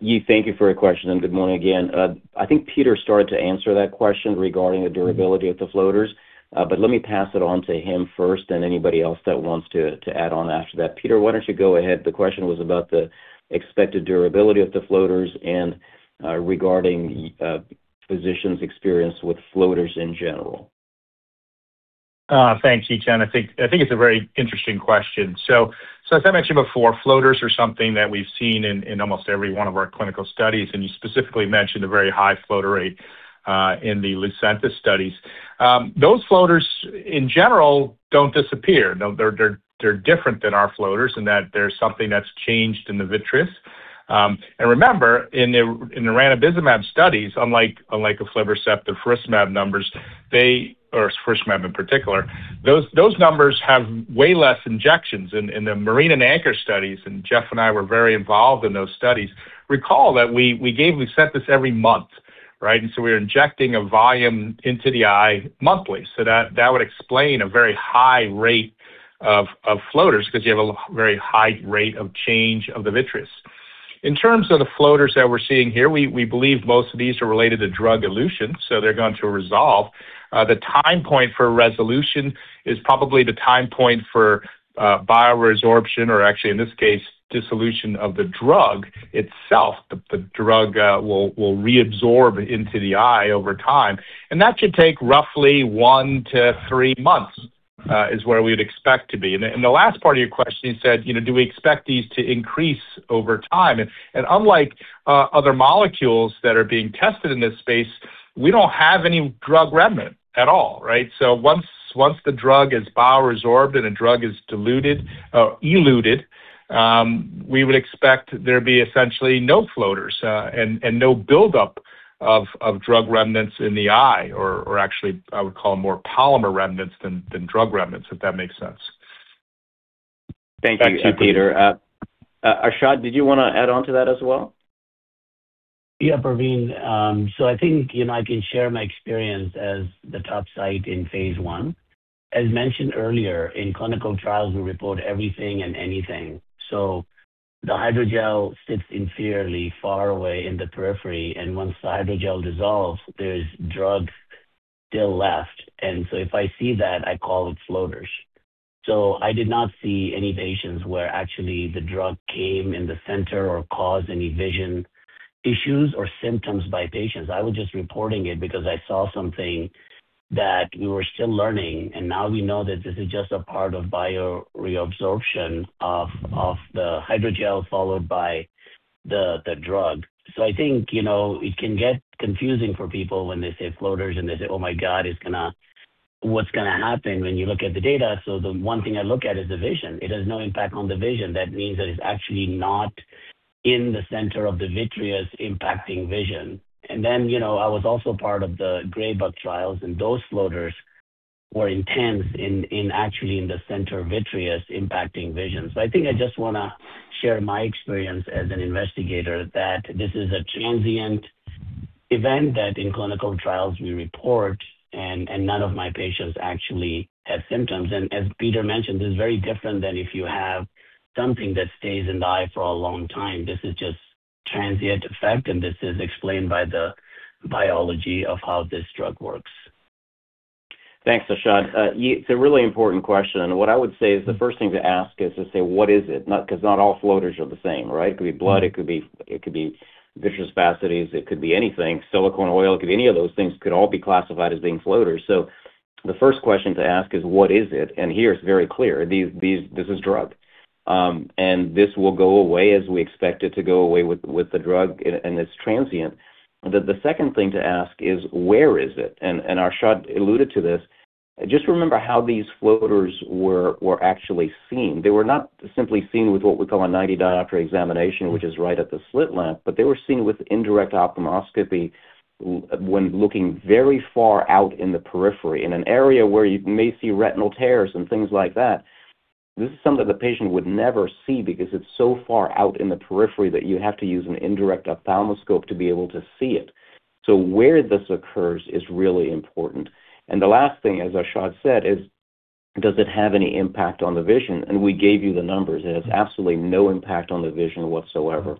Yi, thank you for your question, and good morning again. I think Peter started to answer that question regarding the durability of the floaters, but let me pass it on to him first and anybody else that wants to add on after that. Peter, why don't you go ahead. The question was about the expected durability of the floaters and, regarding, physicians' experience with floaters in general. Thanks, Yi Chen. I think it's a very interesting question. As I mentioned before, floaters are something that we've seen in almost every one of our clinical studies, and you specifically mentioned a very high floater rate in the Lucentis studies. Those floaters in general don't disappear. They're different than our floaters and that there's something that's changed in the vitreous. Remember, in the ranibizumab studies, unlike aflibercept and faricimab numbers, or faricimab in particular, those numbers have way less injections in the MARINA and ANCHOR studies. Jeff and I were very involved in those studies. Recall that we gave Lucentis every month, right? We were injecting a volume into the eye monthly. That would explain a very high rate of floaters because you have a very high rate of change of the vitreous. In terms of the floaters that we're seeing here, we believe most of these are related to drug elution, so they're going to resolve. The time point for resolution is probably the time point for bio-resorption or actually in this case, dissolution of the drug itself. The drug will reabsorb into the eye over time. That should take roughly one to three months is where we would expect to be. The last part of your question, you said, you know, do we expect these to increase over time? Unlike other molecules that are being tested in this space, we don't have any drug remnant at all, right? once the drug is bio-resorbed and the drug is diluted or eluted, we would expect there to be essentially no floaters, and no buildup of drug remnants in the eye or actually I would call them more polymer remnants than drug remnants, if that makes sense. Thank you, Peter. Arshad, did you want to add on to that as well? Yeah, Pravin. I think, you know, I can share my experience as the top site in phase one. As mentioned earlier, in clinical trials, we report everything and anything. The hydrogel sits inferiorly far away in the periphery, and once the hydrogel dissolves, there's drugs still left. If I see that, I call it floaters. I did not see any patients where actually the drug came in the center or caused any vision issues or symptoms by patients. I was just reporting it because I saw something that we were still learning, and now we know that this is just a part of bioresorption of the hydrogel followed by the drug. I think, you know, it can get confusing for people when they say floaters and they say, "Oh my god, what's gonna happen when you look at the data?" The one thing I look at is the vision. It has no impact on the vision. That means that it's actually not in the center of the vitreous impacting vision. You know, I was also part of the gray book trials, and those floaters were intense in actually in the center of vitreous impacting vision. I think I just wanna share my experience as an investigator that this is a transient event that in clinical trials we report and none of my patients actually have symptoms. As Peter mentioned, this is very different than if you have something that stays in the eye for a long time. This is just transient effect, and this is explained by the biology of how this drug works. Thanks, Arshad. Yi, it's a really important question. What I would say is the first thing to ask is to say, what is it? Because not all floaters are the same, right? It could be blood, it could be, it could be vitreous vacancies, it could be anything. Silicone oil. It could be any of those things, could all be classified as being floaters. The first question to ask is what is it? Here it's very clear. This is drug. This will go away as we expect it to go away with the drug and it's transient. The second thing to ask is where is it? Arshad alluded to this. Just remember how these floaters were actually seen. They were not simply seen with what we call a 90 diopter examination, which is right at the slit lamp, but they were seen with indirect ophthalmoscopy when looking very far out in the periphery in an area where you may see retinal tears and things like that. This is something the patient would never see because it's so far out in the periphery that you have to use an indirect ophthalmoscope to be able to see it. Where this occurs is really important. The last thing, as Arshad said, is, does it have any impact on the vision? We gave you the numbers, and it's absolutely no impact on the vision whatsoever.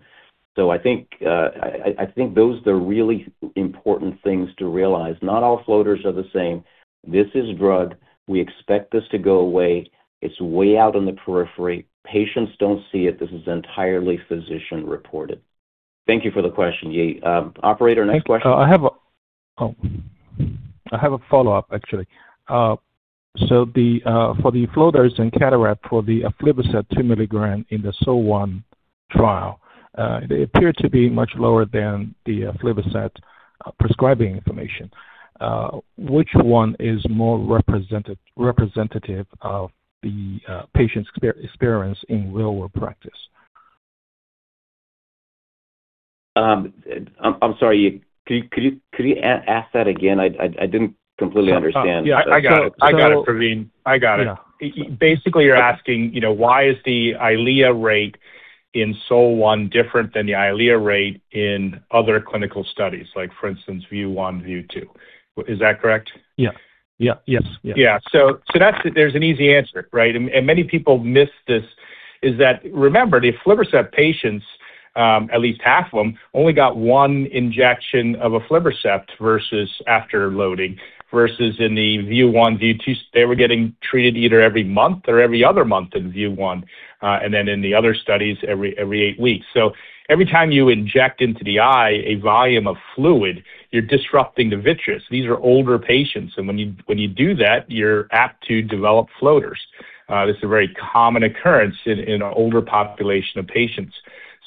I think those are the really important things to realize. Not all floaters are the same. This is drug. We expect this to go away. It's way out in the periphery. Patients don't see it. This is entirely physician-reported. Thank you for the question, Yi. Operator, next question. I have a follow-up, actually. The for the floaters and cataract for the aflibercept 2 mg in the SOL-1 trial, they appear to be much lower than the aflibercept prescribing information. Which one is more representative of the patient's experience in real world practice? I'm sorry. Could you ask that again? I didn't completely understand. Yeah, I got it. I got it, Pravin. I got it. Yeah. Basically, you're asking, you know, why is the EYLEA rate in SOL-1 different than the EYLEA rate in other clinical studies, like for instance, VIEW 1, VIEW 2. Is that correct? Yeah. Yeah. Yes. Yeah. Yeah. There's an easy answer, right? Many people miss this, is that, remember, the aflibercept patients, at least half of them, only got one injection of aflibercept versus after loading, versus in the VIEW 1, VIEW 2, they were getting treated either every month or every other month in VIEW 1, and then in the other studies every eight weeks. Every time you inject into the eye a volume of fluid, you're disrupting the vitreous. These are older patients, and when you do that, you're apt to develop floaters. This is a very common occurrence in an older population of patients.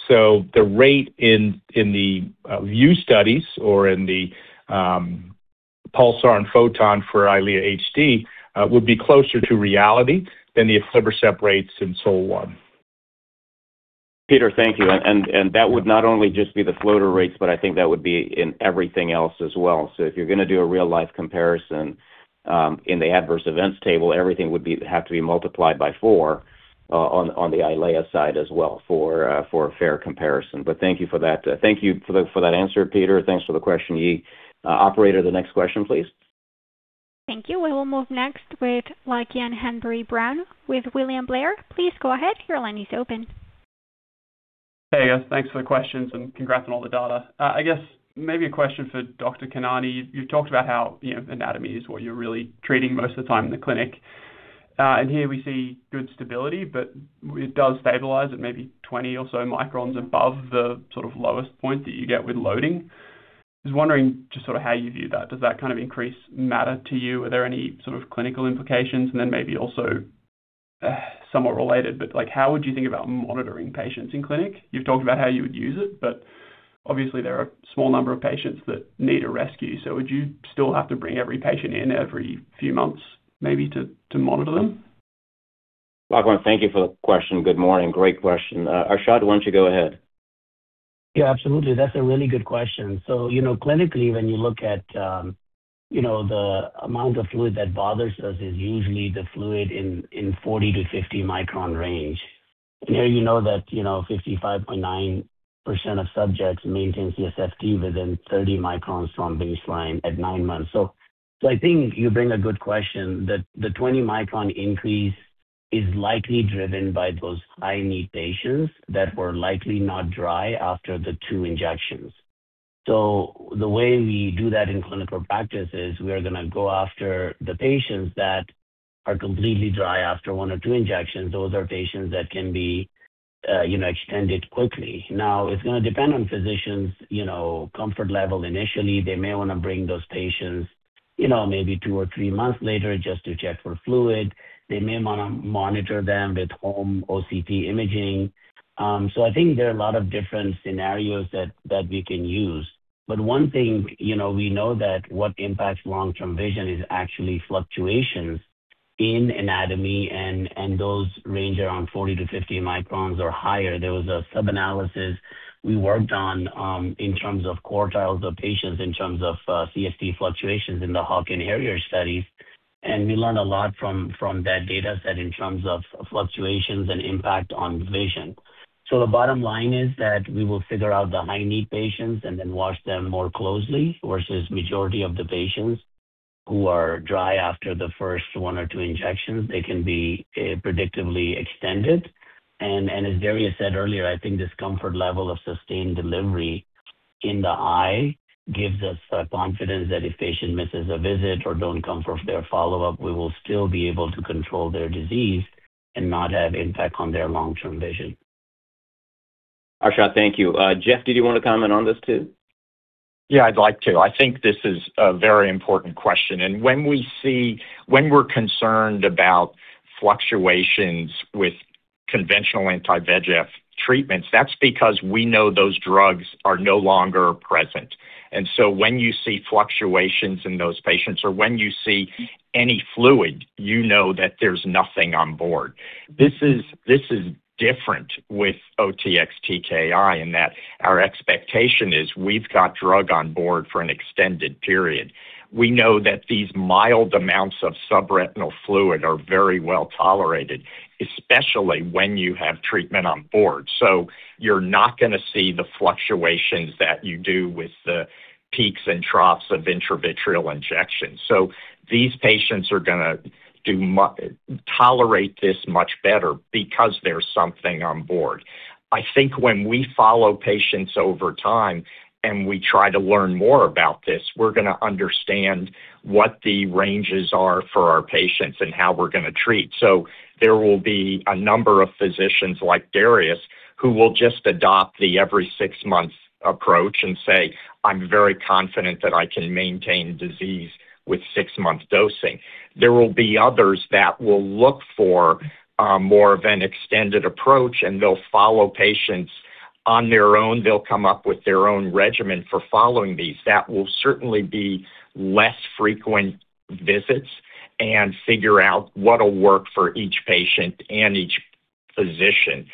The rate in the VIEW studies or in the PULSAR and PHOTON for EYLEA HD would be closer to reality than the aflibercept rates in SOL-1. Peter, thank you. That would not only just be the floater rates, but I think that would be in everything else as well. If you're gonna do a real-life comparison, in the adverse events table, everything would have to be multiplied by four on the EYLEA side as well for a fair comparison. Thank you for that. Thank you for that answer, Peter. Thanks for the question, Yi. Operator, the next question, please. Thank you. We will move next with Lachlan Hanbury-Brown with William Blair. Please go ahead. Your line is open. Hey, guys. Thanks for the questions, and congrats on all the data. I guess maybe a question for Dr. Khanani. You've talked about how, you know, anatomy is what you're really treating most of the time in the clinic. Here we see good stability, but it does stabilize at maybe 20 or so microns above the sort of lowest point that you get with loading. Just wondering just sort of how you view that. Does that kind of increase matter to you? Are there any sort of clinical implications? Maybe also, somewhat related, but, like, how would you think about monitoring patients in clinic? You've talked about how you would use it, but obviously there are a small number of patients that need a rescue. Would you still have to bring every patient in every few months maybe to monitor them? Lachlan, thank you for the question. Good morning. Great question. Arshad, why don't you go ahead? Yeah, absolutely. That's a really good question. You know, clinically, when you look at, you know, the amount of fluid that bothers us is usually the fluid in 40 to 50 micron range. Here you know that, you know, 55.9% of subjects maintain CSFT within 30 microns from baseline at 9 months. I think you bring a good question that the 20 micron increase is likely driven by those high-need patients that were likely not dry after the two injections. The way we do that in clinical practice is we are going to go after the patients that are completely dry after one or two injections. Those are patients that can be, you know, extended quickly. Now, it's going to depend on physicians', you know, comfort level. Initially, they may want to bring those patients, you know, maybe two or three months later just to check for fluid. They may wanna monitor them with home OCT imaging. I think there are a lot of different scenarios that we can use. One thing, you know, we know that what impacts long-term vision is actually fluctuations in anatomy, and those range around 40-50 microns or higher. There was a sub-analysis we worked on, in terms of quartiles of patients, in terms of CSFT fluctuations in the HAWK and HARRIER studies. We learned a lot from that data set in terms of fluctuations and impact on vision. The bottom line is that we will figure out the high-need patients and then watch them more closely versus majority of the patients who are dry after the first one or two injections. They can be predictively extended. As Darius said earlier, I think this comfort level of sustained delivery in the eye gives us the confidence that if patient misses a visit or don't come for their follow-up, we will still be able to control their disease and not have impact on their long-term vision. Arshad, thank you. Jeff, did you want to comment on this too? Yeah, I'd like to. I think this is a very important question. When we're concerned about fluctuations with conventional anti-VEGF treatments, that's because we know those drugs are no longer present. When you see fluctuations in those patients or when you see any fluid, you know that there's nothing on board. This is different with OTX-TKI in that our expectation is we've got drug on board for an extended period. We know that these mild amounts of subretinal fluid are very well tolerated, especially when you have treatment on board. You're not going to see the fluctuations that you do with the peaks and troughs of intravitreal injections. These patients are going to tolerate this much better because there's something on board. I think when we follow patients over time and we try to learn more about this, we're going to understand what the ranges are for our patients and how we're going to treat. There will be a number of physicians like Darius who will just adopt the every six months approach and say, "I'm very confident that I can maintain disease with six-month dosing." There will be others that will look for more of an extended approach, and they'll follow patients on their own. They'll come up with their own regimen for following these. That will certainly be less frequent visits and figure out what will work for each patient and each physician.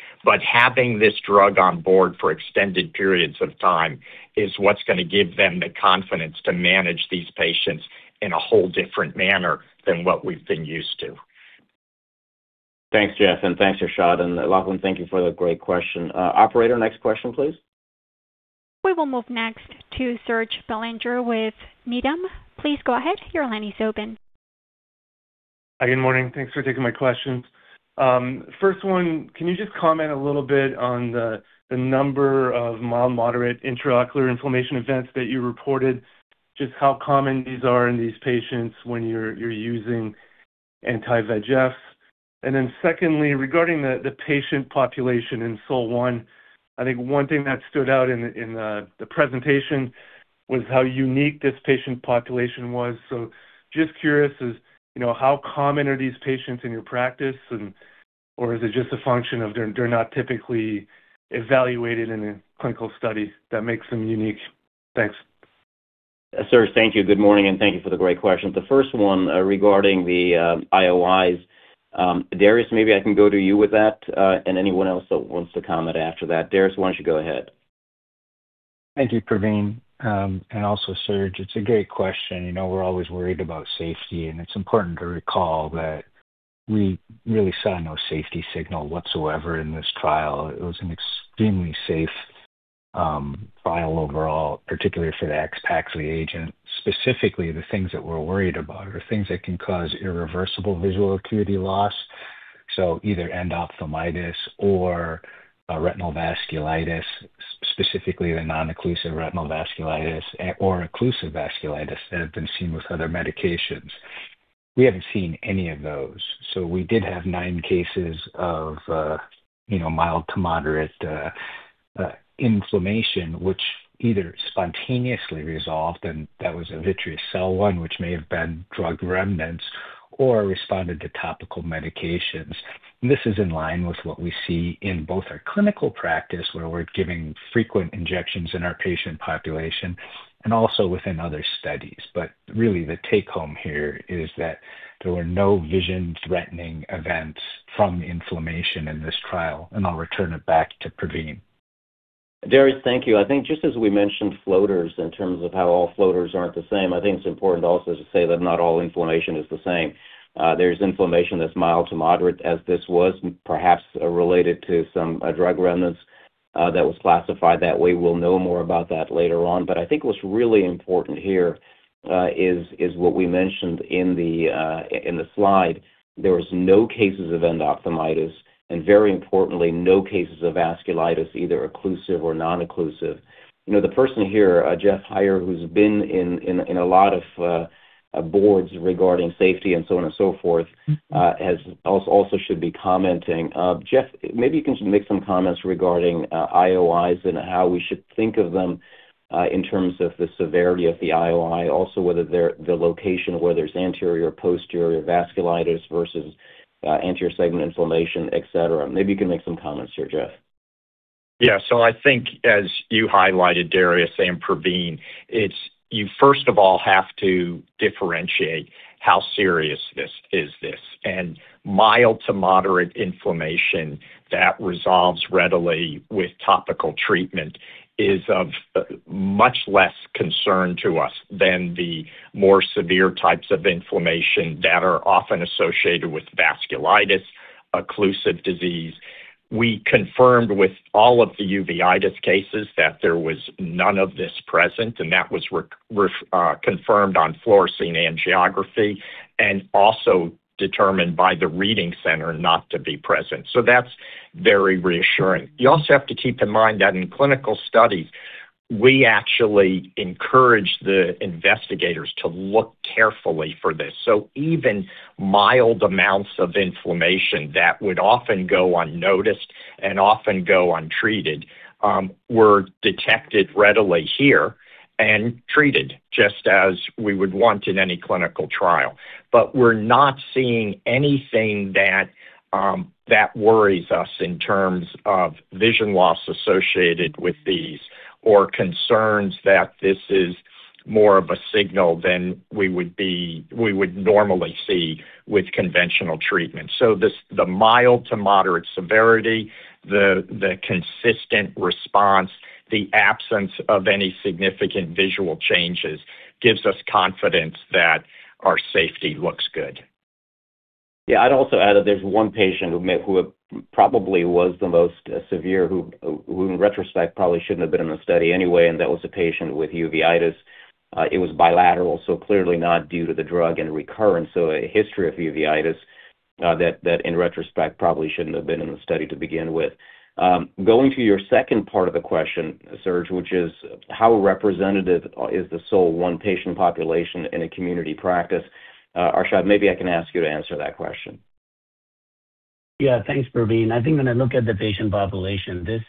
Having this drug on board for extended periods of time is what's going to give them the confidence to manage these patients in a whole different manner than what we've been used to. Thanks, Jeff, and thanks, Arshad. Lachlan, thank you for the great question. operator, next question, please. We will move next to Serge Belanger with Needham. Please go ahead. Your line is open. Hi, good morning. Thanks for taking my questions. First one, can you just comment a little bit on the number of mild to moderate intraocular inflammation events that you reported, just how common these are in these patients when you're using anti-VEGFs? Secondly, regarding the patient population in SOL-1, I think one thing that stood out in the presentation was how unique this patient population was. Just curious is, you know, how common are these patients in your practice or is it just a function of they're not typically evaluated in a clinical study that makes them unique? Thanks. Serge, thank you. Good morning. Thank you for the great questions. The first one, regarding the IOI, Darius, maybe I can go to you with that, and anyone else that wants to comment after that. Darius, why don't you go ahead. Thank you, Pravin. Also Serge. It's a great question. We're always worried about safety. It's important to recall that we really saw no safety signal whatsoever in this trial. It was an extremely safe trial overall, particularly for the AXPAXLI agent. Specifically, the things that we're worried about are things that can cause irreversible visual acuity loss, so either endophthalmitis or retinal vasculitis, specifically the non-occlusive retinal vasculitis or occlusive vasculitis that have been seen with other medications. We haven't seen any of those. We did have nine cases of mild to moderate inflammation, which either spontaneously resolved, and that was a vitreous cell one which may have been drug remnants or responded to topical medications. This is in line with what we see in both our clinical practice, where we're giving frequent injections in our patient population and also within other studies. Really the take-home here is that there were no vision-threatening events from inflammation in this trial. I'll return it back to Pravin. Darius, thank you. I think just as we mentioned floaters in terms of how all floaters aren't the same, I think it's important also to say that not all inflammation is the same. There's inflammation that's mild to moderate as this was perhaps related to some drug remnants that was classified that way. We'll know more about that later on. I think what's really important here is what we mentioned in the slide. There was no cases of endophthalmitis, and very importantly, no cases of vasculitis, either occlusive or non-occlusive. You know, the person here, Jeff Heier, who's been in a lot of boards regarding safety and so on and so forth, also should be commenting. Jeff, maybe you can make some comments regarding IOIs and how we should think of them in terms of the severity of the IOI. Also, whether the location of whether it's anterior, posterior vasculitis versus anterior segment inflammation, et cetera. Maybe you can make some comments here, Jeff. Yeah. I think as you highlighted, Darius and Pravin, it's you first of all have to differentiate how serious this is. Mild to moderate inflammation that resolves readily with topical treatment is of much less concern to us than the more severe types of inflammation that are often associated with vasculitis occlusive disease. We confirmed with all of the uveitis cases that there was none of this present, and that was reconfirmed on fluorescein angiography and also determined by the reading center not to be present. That's very reassuring. You also have to keep in mind that in clinical studies, we actually encourage the investigators to look carefully for this. Even mild amounts of inflammation that would often go unnoticed and often go untreated, were detected readily here and treated just as we would want in any clinical trial. We're not seeing anything that worries us in terms of vision loss associated with these or concerns that this is more of a signal than we would normally see with conventional treatment. This, the mild to moderate severity, the consistent response, the absence of any significant visual changes gives us confidence that our safety looks good. Yeah. I'd also add that there's one patient who probably was the most severe, who in retrospect probably shouldn't have been in the study anyway, and that was a patient with uveitis. It was bilateral, clearly not due to the drug and recurrence. A history of uveitis that in retrospect probably shouldn't have been in the study to begin with. Going to your second part of the question, Serge, which is how representative is the SOL-1 patient population in a community practice? Arshad, maybe I can ask you to answer that question. Thanks, Pravin. I think when I look at the patient population, this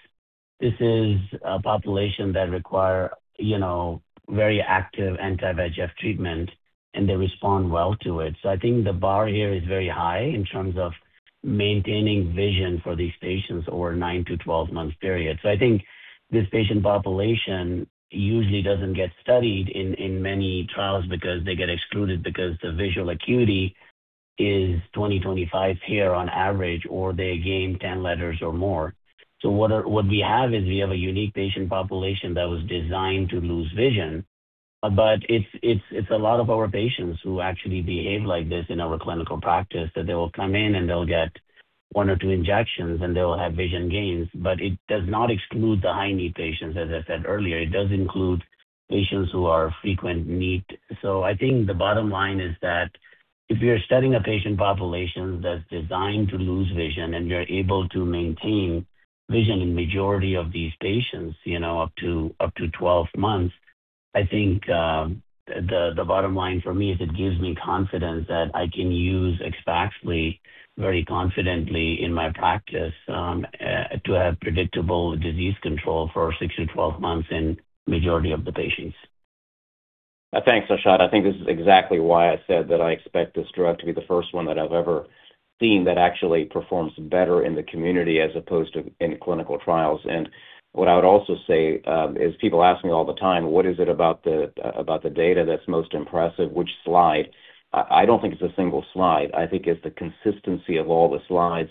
is a population that require, you know, very active anti-VEGF treatment, and they respond well to it. I think the bar here is very high in terms of maintaining vision for these patients over a 9-12-month period. I think this patient population usually doesn't get studied in many trials because they get excluded because the visual acuity is 20/25 here on average, or they gain 10 letters or more. What we have is we have a unique patient population that was designed to lose vision. It's a lot of our patients who actually behave like this in our clinical practice, that they will come in and they'll get one or two injections, and they will have vision gains. It does not exclude the high-need patients. As I said earlier, it does include patients who are frequent need. I think the bottom line is that if you're studying a patient population that's designed to lose vision and you're able to maintain vision in majority of these patients, up to 12 months, I think the bottom line for me is it gives me confidence that I can use AXPAXLI very confidently in my practice, to have predictable disease control for 6-12 months in majority of the patients. Thanks, Arshad. I think this is exactly why I said that I expect this drug to be the first one that I've ever seen that actually performs better in the community as opposed to in clinical trials. People ask me all the time, "What is it about the data that's most impressive? Which slide?" I don't think it's a single slide. I think it's the consistency of all the slides.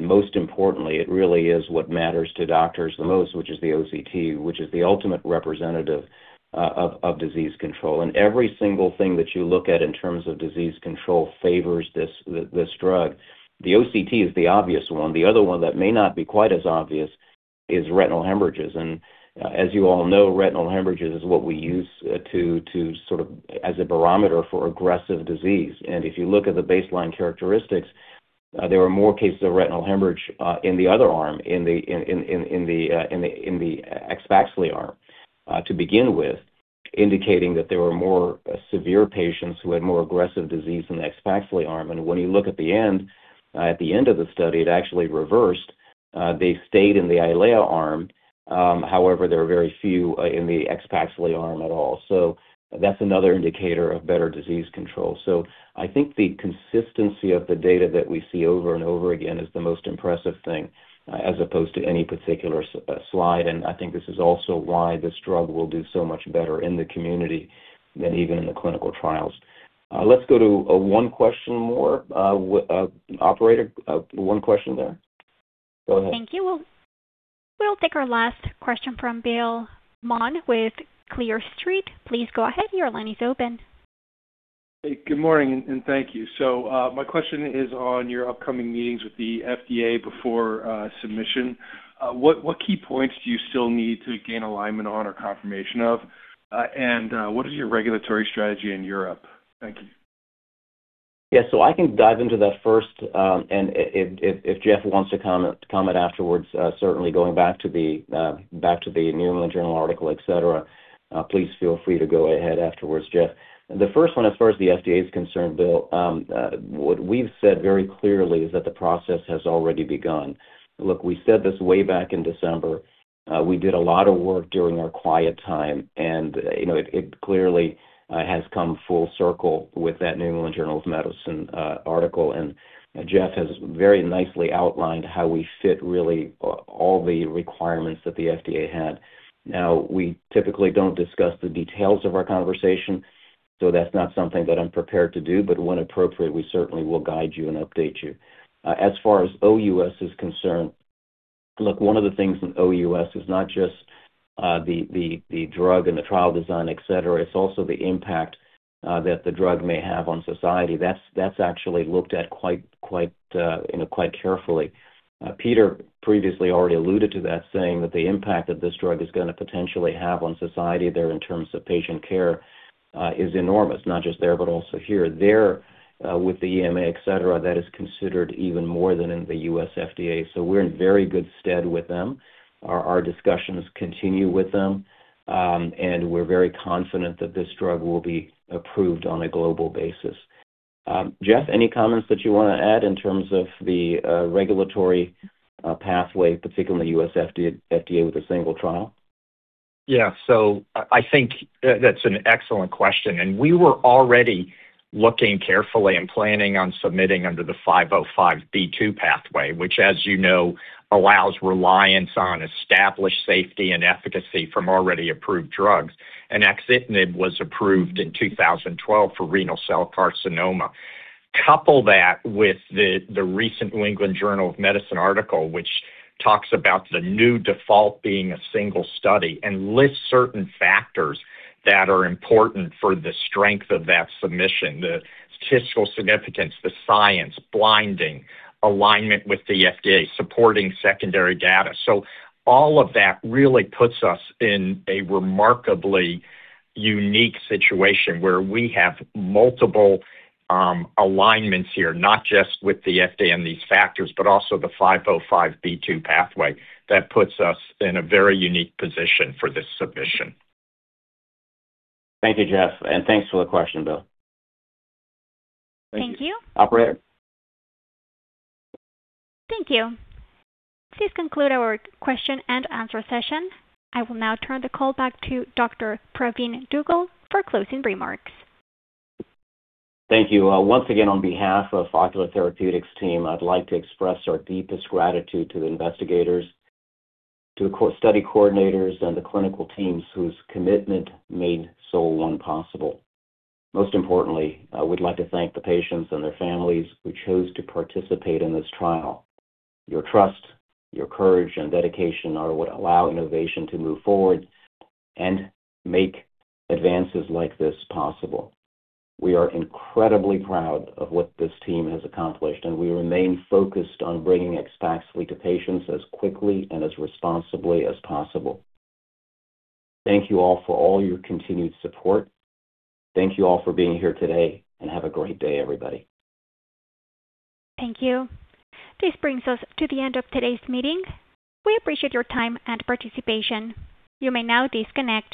Most importantly, it really is what matters to doctors the most, which is the OCT, which is the ultimate representative of disease control. Every single thing that you look at in terms of disease control favors this drug. The OCT is the obvious one. The other one that may not be quite as obvious is retinal hemorrhages. As you all know, retinal hemorrhages is what we use to sort of as a barometer for aggressive disease. If you look at the baseline characteristics, there are more cases of retinal hemorrhage in the other arm, in the AXPAXLI arm to begin with, indicating that there were more severe patients who had more aggressive disease in the AXPAXLI arm. When you look at the end, at the end of the study, it actually reversed. They stayed in the EYLEA arm. However, there are very few in the AXPAXLI arm at all. That's another indicator of better disease control. I think the consistency of the data that we see over and over again is the most impressive thing as opposed to any particular slide. I think this is also why this drug will do so much better in the community than even in the clinical trials. Let's go to one question more. Operator, one question there. Thank you. We'll take our last question from Bill Maughan with Clear Street. Please go ahead. Your line is open. Hey, good morning, and thank you. My question is on your upcoming meetings with the FDA before submission. What key points do you still need to gain alignment on or confirmation of? What is your regulatory strategy in Europe? Thank you. Yes. I can dive into that first, and if Jeff wants to comment afterwards, certainly going back to the New England Journal article, et cetera, please feel free to go ahead afterwards, Jeff. The first one, as far as the FDA is concerned, Bill, what we've said very clearly is that the process has already begun. Look, we said this way back in December. We did a lot of work during our quiet time, and, you know, it clearly has come full circle with that New England Journal of Medicine article. Jeff has very nicely outlined how we fit really all the requirements that the FDA had. We typically don't discuss the details of our conversation, so that's not something that I'm prepared to do. When appropriate, we certainly will guide you and update you. As far as OUS is concerned, look, one of the things in OUS is not just the, the drug and the trial design, et cetera, it's also the impact that the drug may have on society. That's, that's actually looked at quite, you know, quite carefully. Peter previously already alluded to that, saying that the impact that this drug is gonna potentially have on society there in terms of patient care is enormous. Not just there, but also here. There, with the EMA, et cetera, that is considered even more than in the U.S. FDA. We're in very good stead with them. Our, our discussions continue with them, and we're very confident that this drug will be approved on a global basis. Jeff, any comments that you wanna add in terms of the regulatory pathway, particularly U.S. FDA with a single trial? Yeah. I think that's an excellent question. We were already looking carefully and planning on submitting under the 505(b)(2) pathway, which, as you know, allows reliance on established safety and efficacy from already approved drugs. Axitinib was approved in 2012 for renal cell carcinoma. Couple that with the recent New England Journal of Medicine article, which talks about the new default being a single study and lists certain factors that are important for the strength of that submission, the statistical significance, the science, blinding, alignment with the FDA, supporting secondary data. All of that really puts us in a remarkably unique situation where we have multiple alignments here, not just with the FDA and these factors, but also the 505(b)(2) pathway. That puts us in a very unique position for this submission. Thank you, Jeff, and thanks for the question, Bill. Thank you. Operator? Thank you. This conclude our question and answer session. I will now turn the call back to Dr. Pravin Dugel for closing remarks. Thank you. Once again, on behalf of Ocular Therapeutix team, I'd like to express our deepest gratitude to the investigators, to study coordinators, and the clinical teams whose commitment made SOL-1 possible. Most importantly, I would like to thank the patients and their families who chose to participate in this trial. Your trust, your courage, and dedication are what allow innovation to move forward and make advances like this possible. We are incredibly proud of what this team has accomplished, and we remain focused on bringing AXPAXLI to patients as quickly and as responsibly as possible. Thank you all for all your continued support. Thank you all for being here today, and have a great day, everybody. Thank you. This brings us to the end of today's meeting. We appreciate your time and participation. You may now disconnect.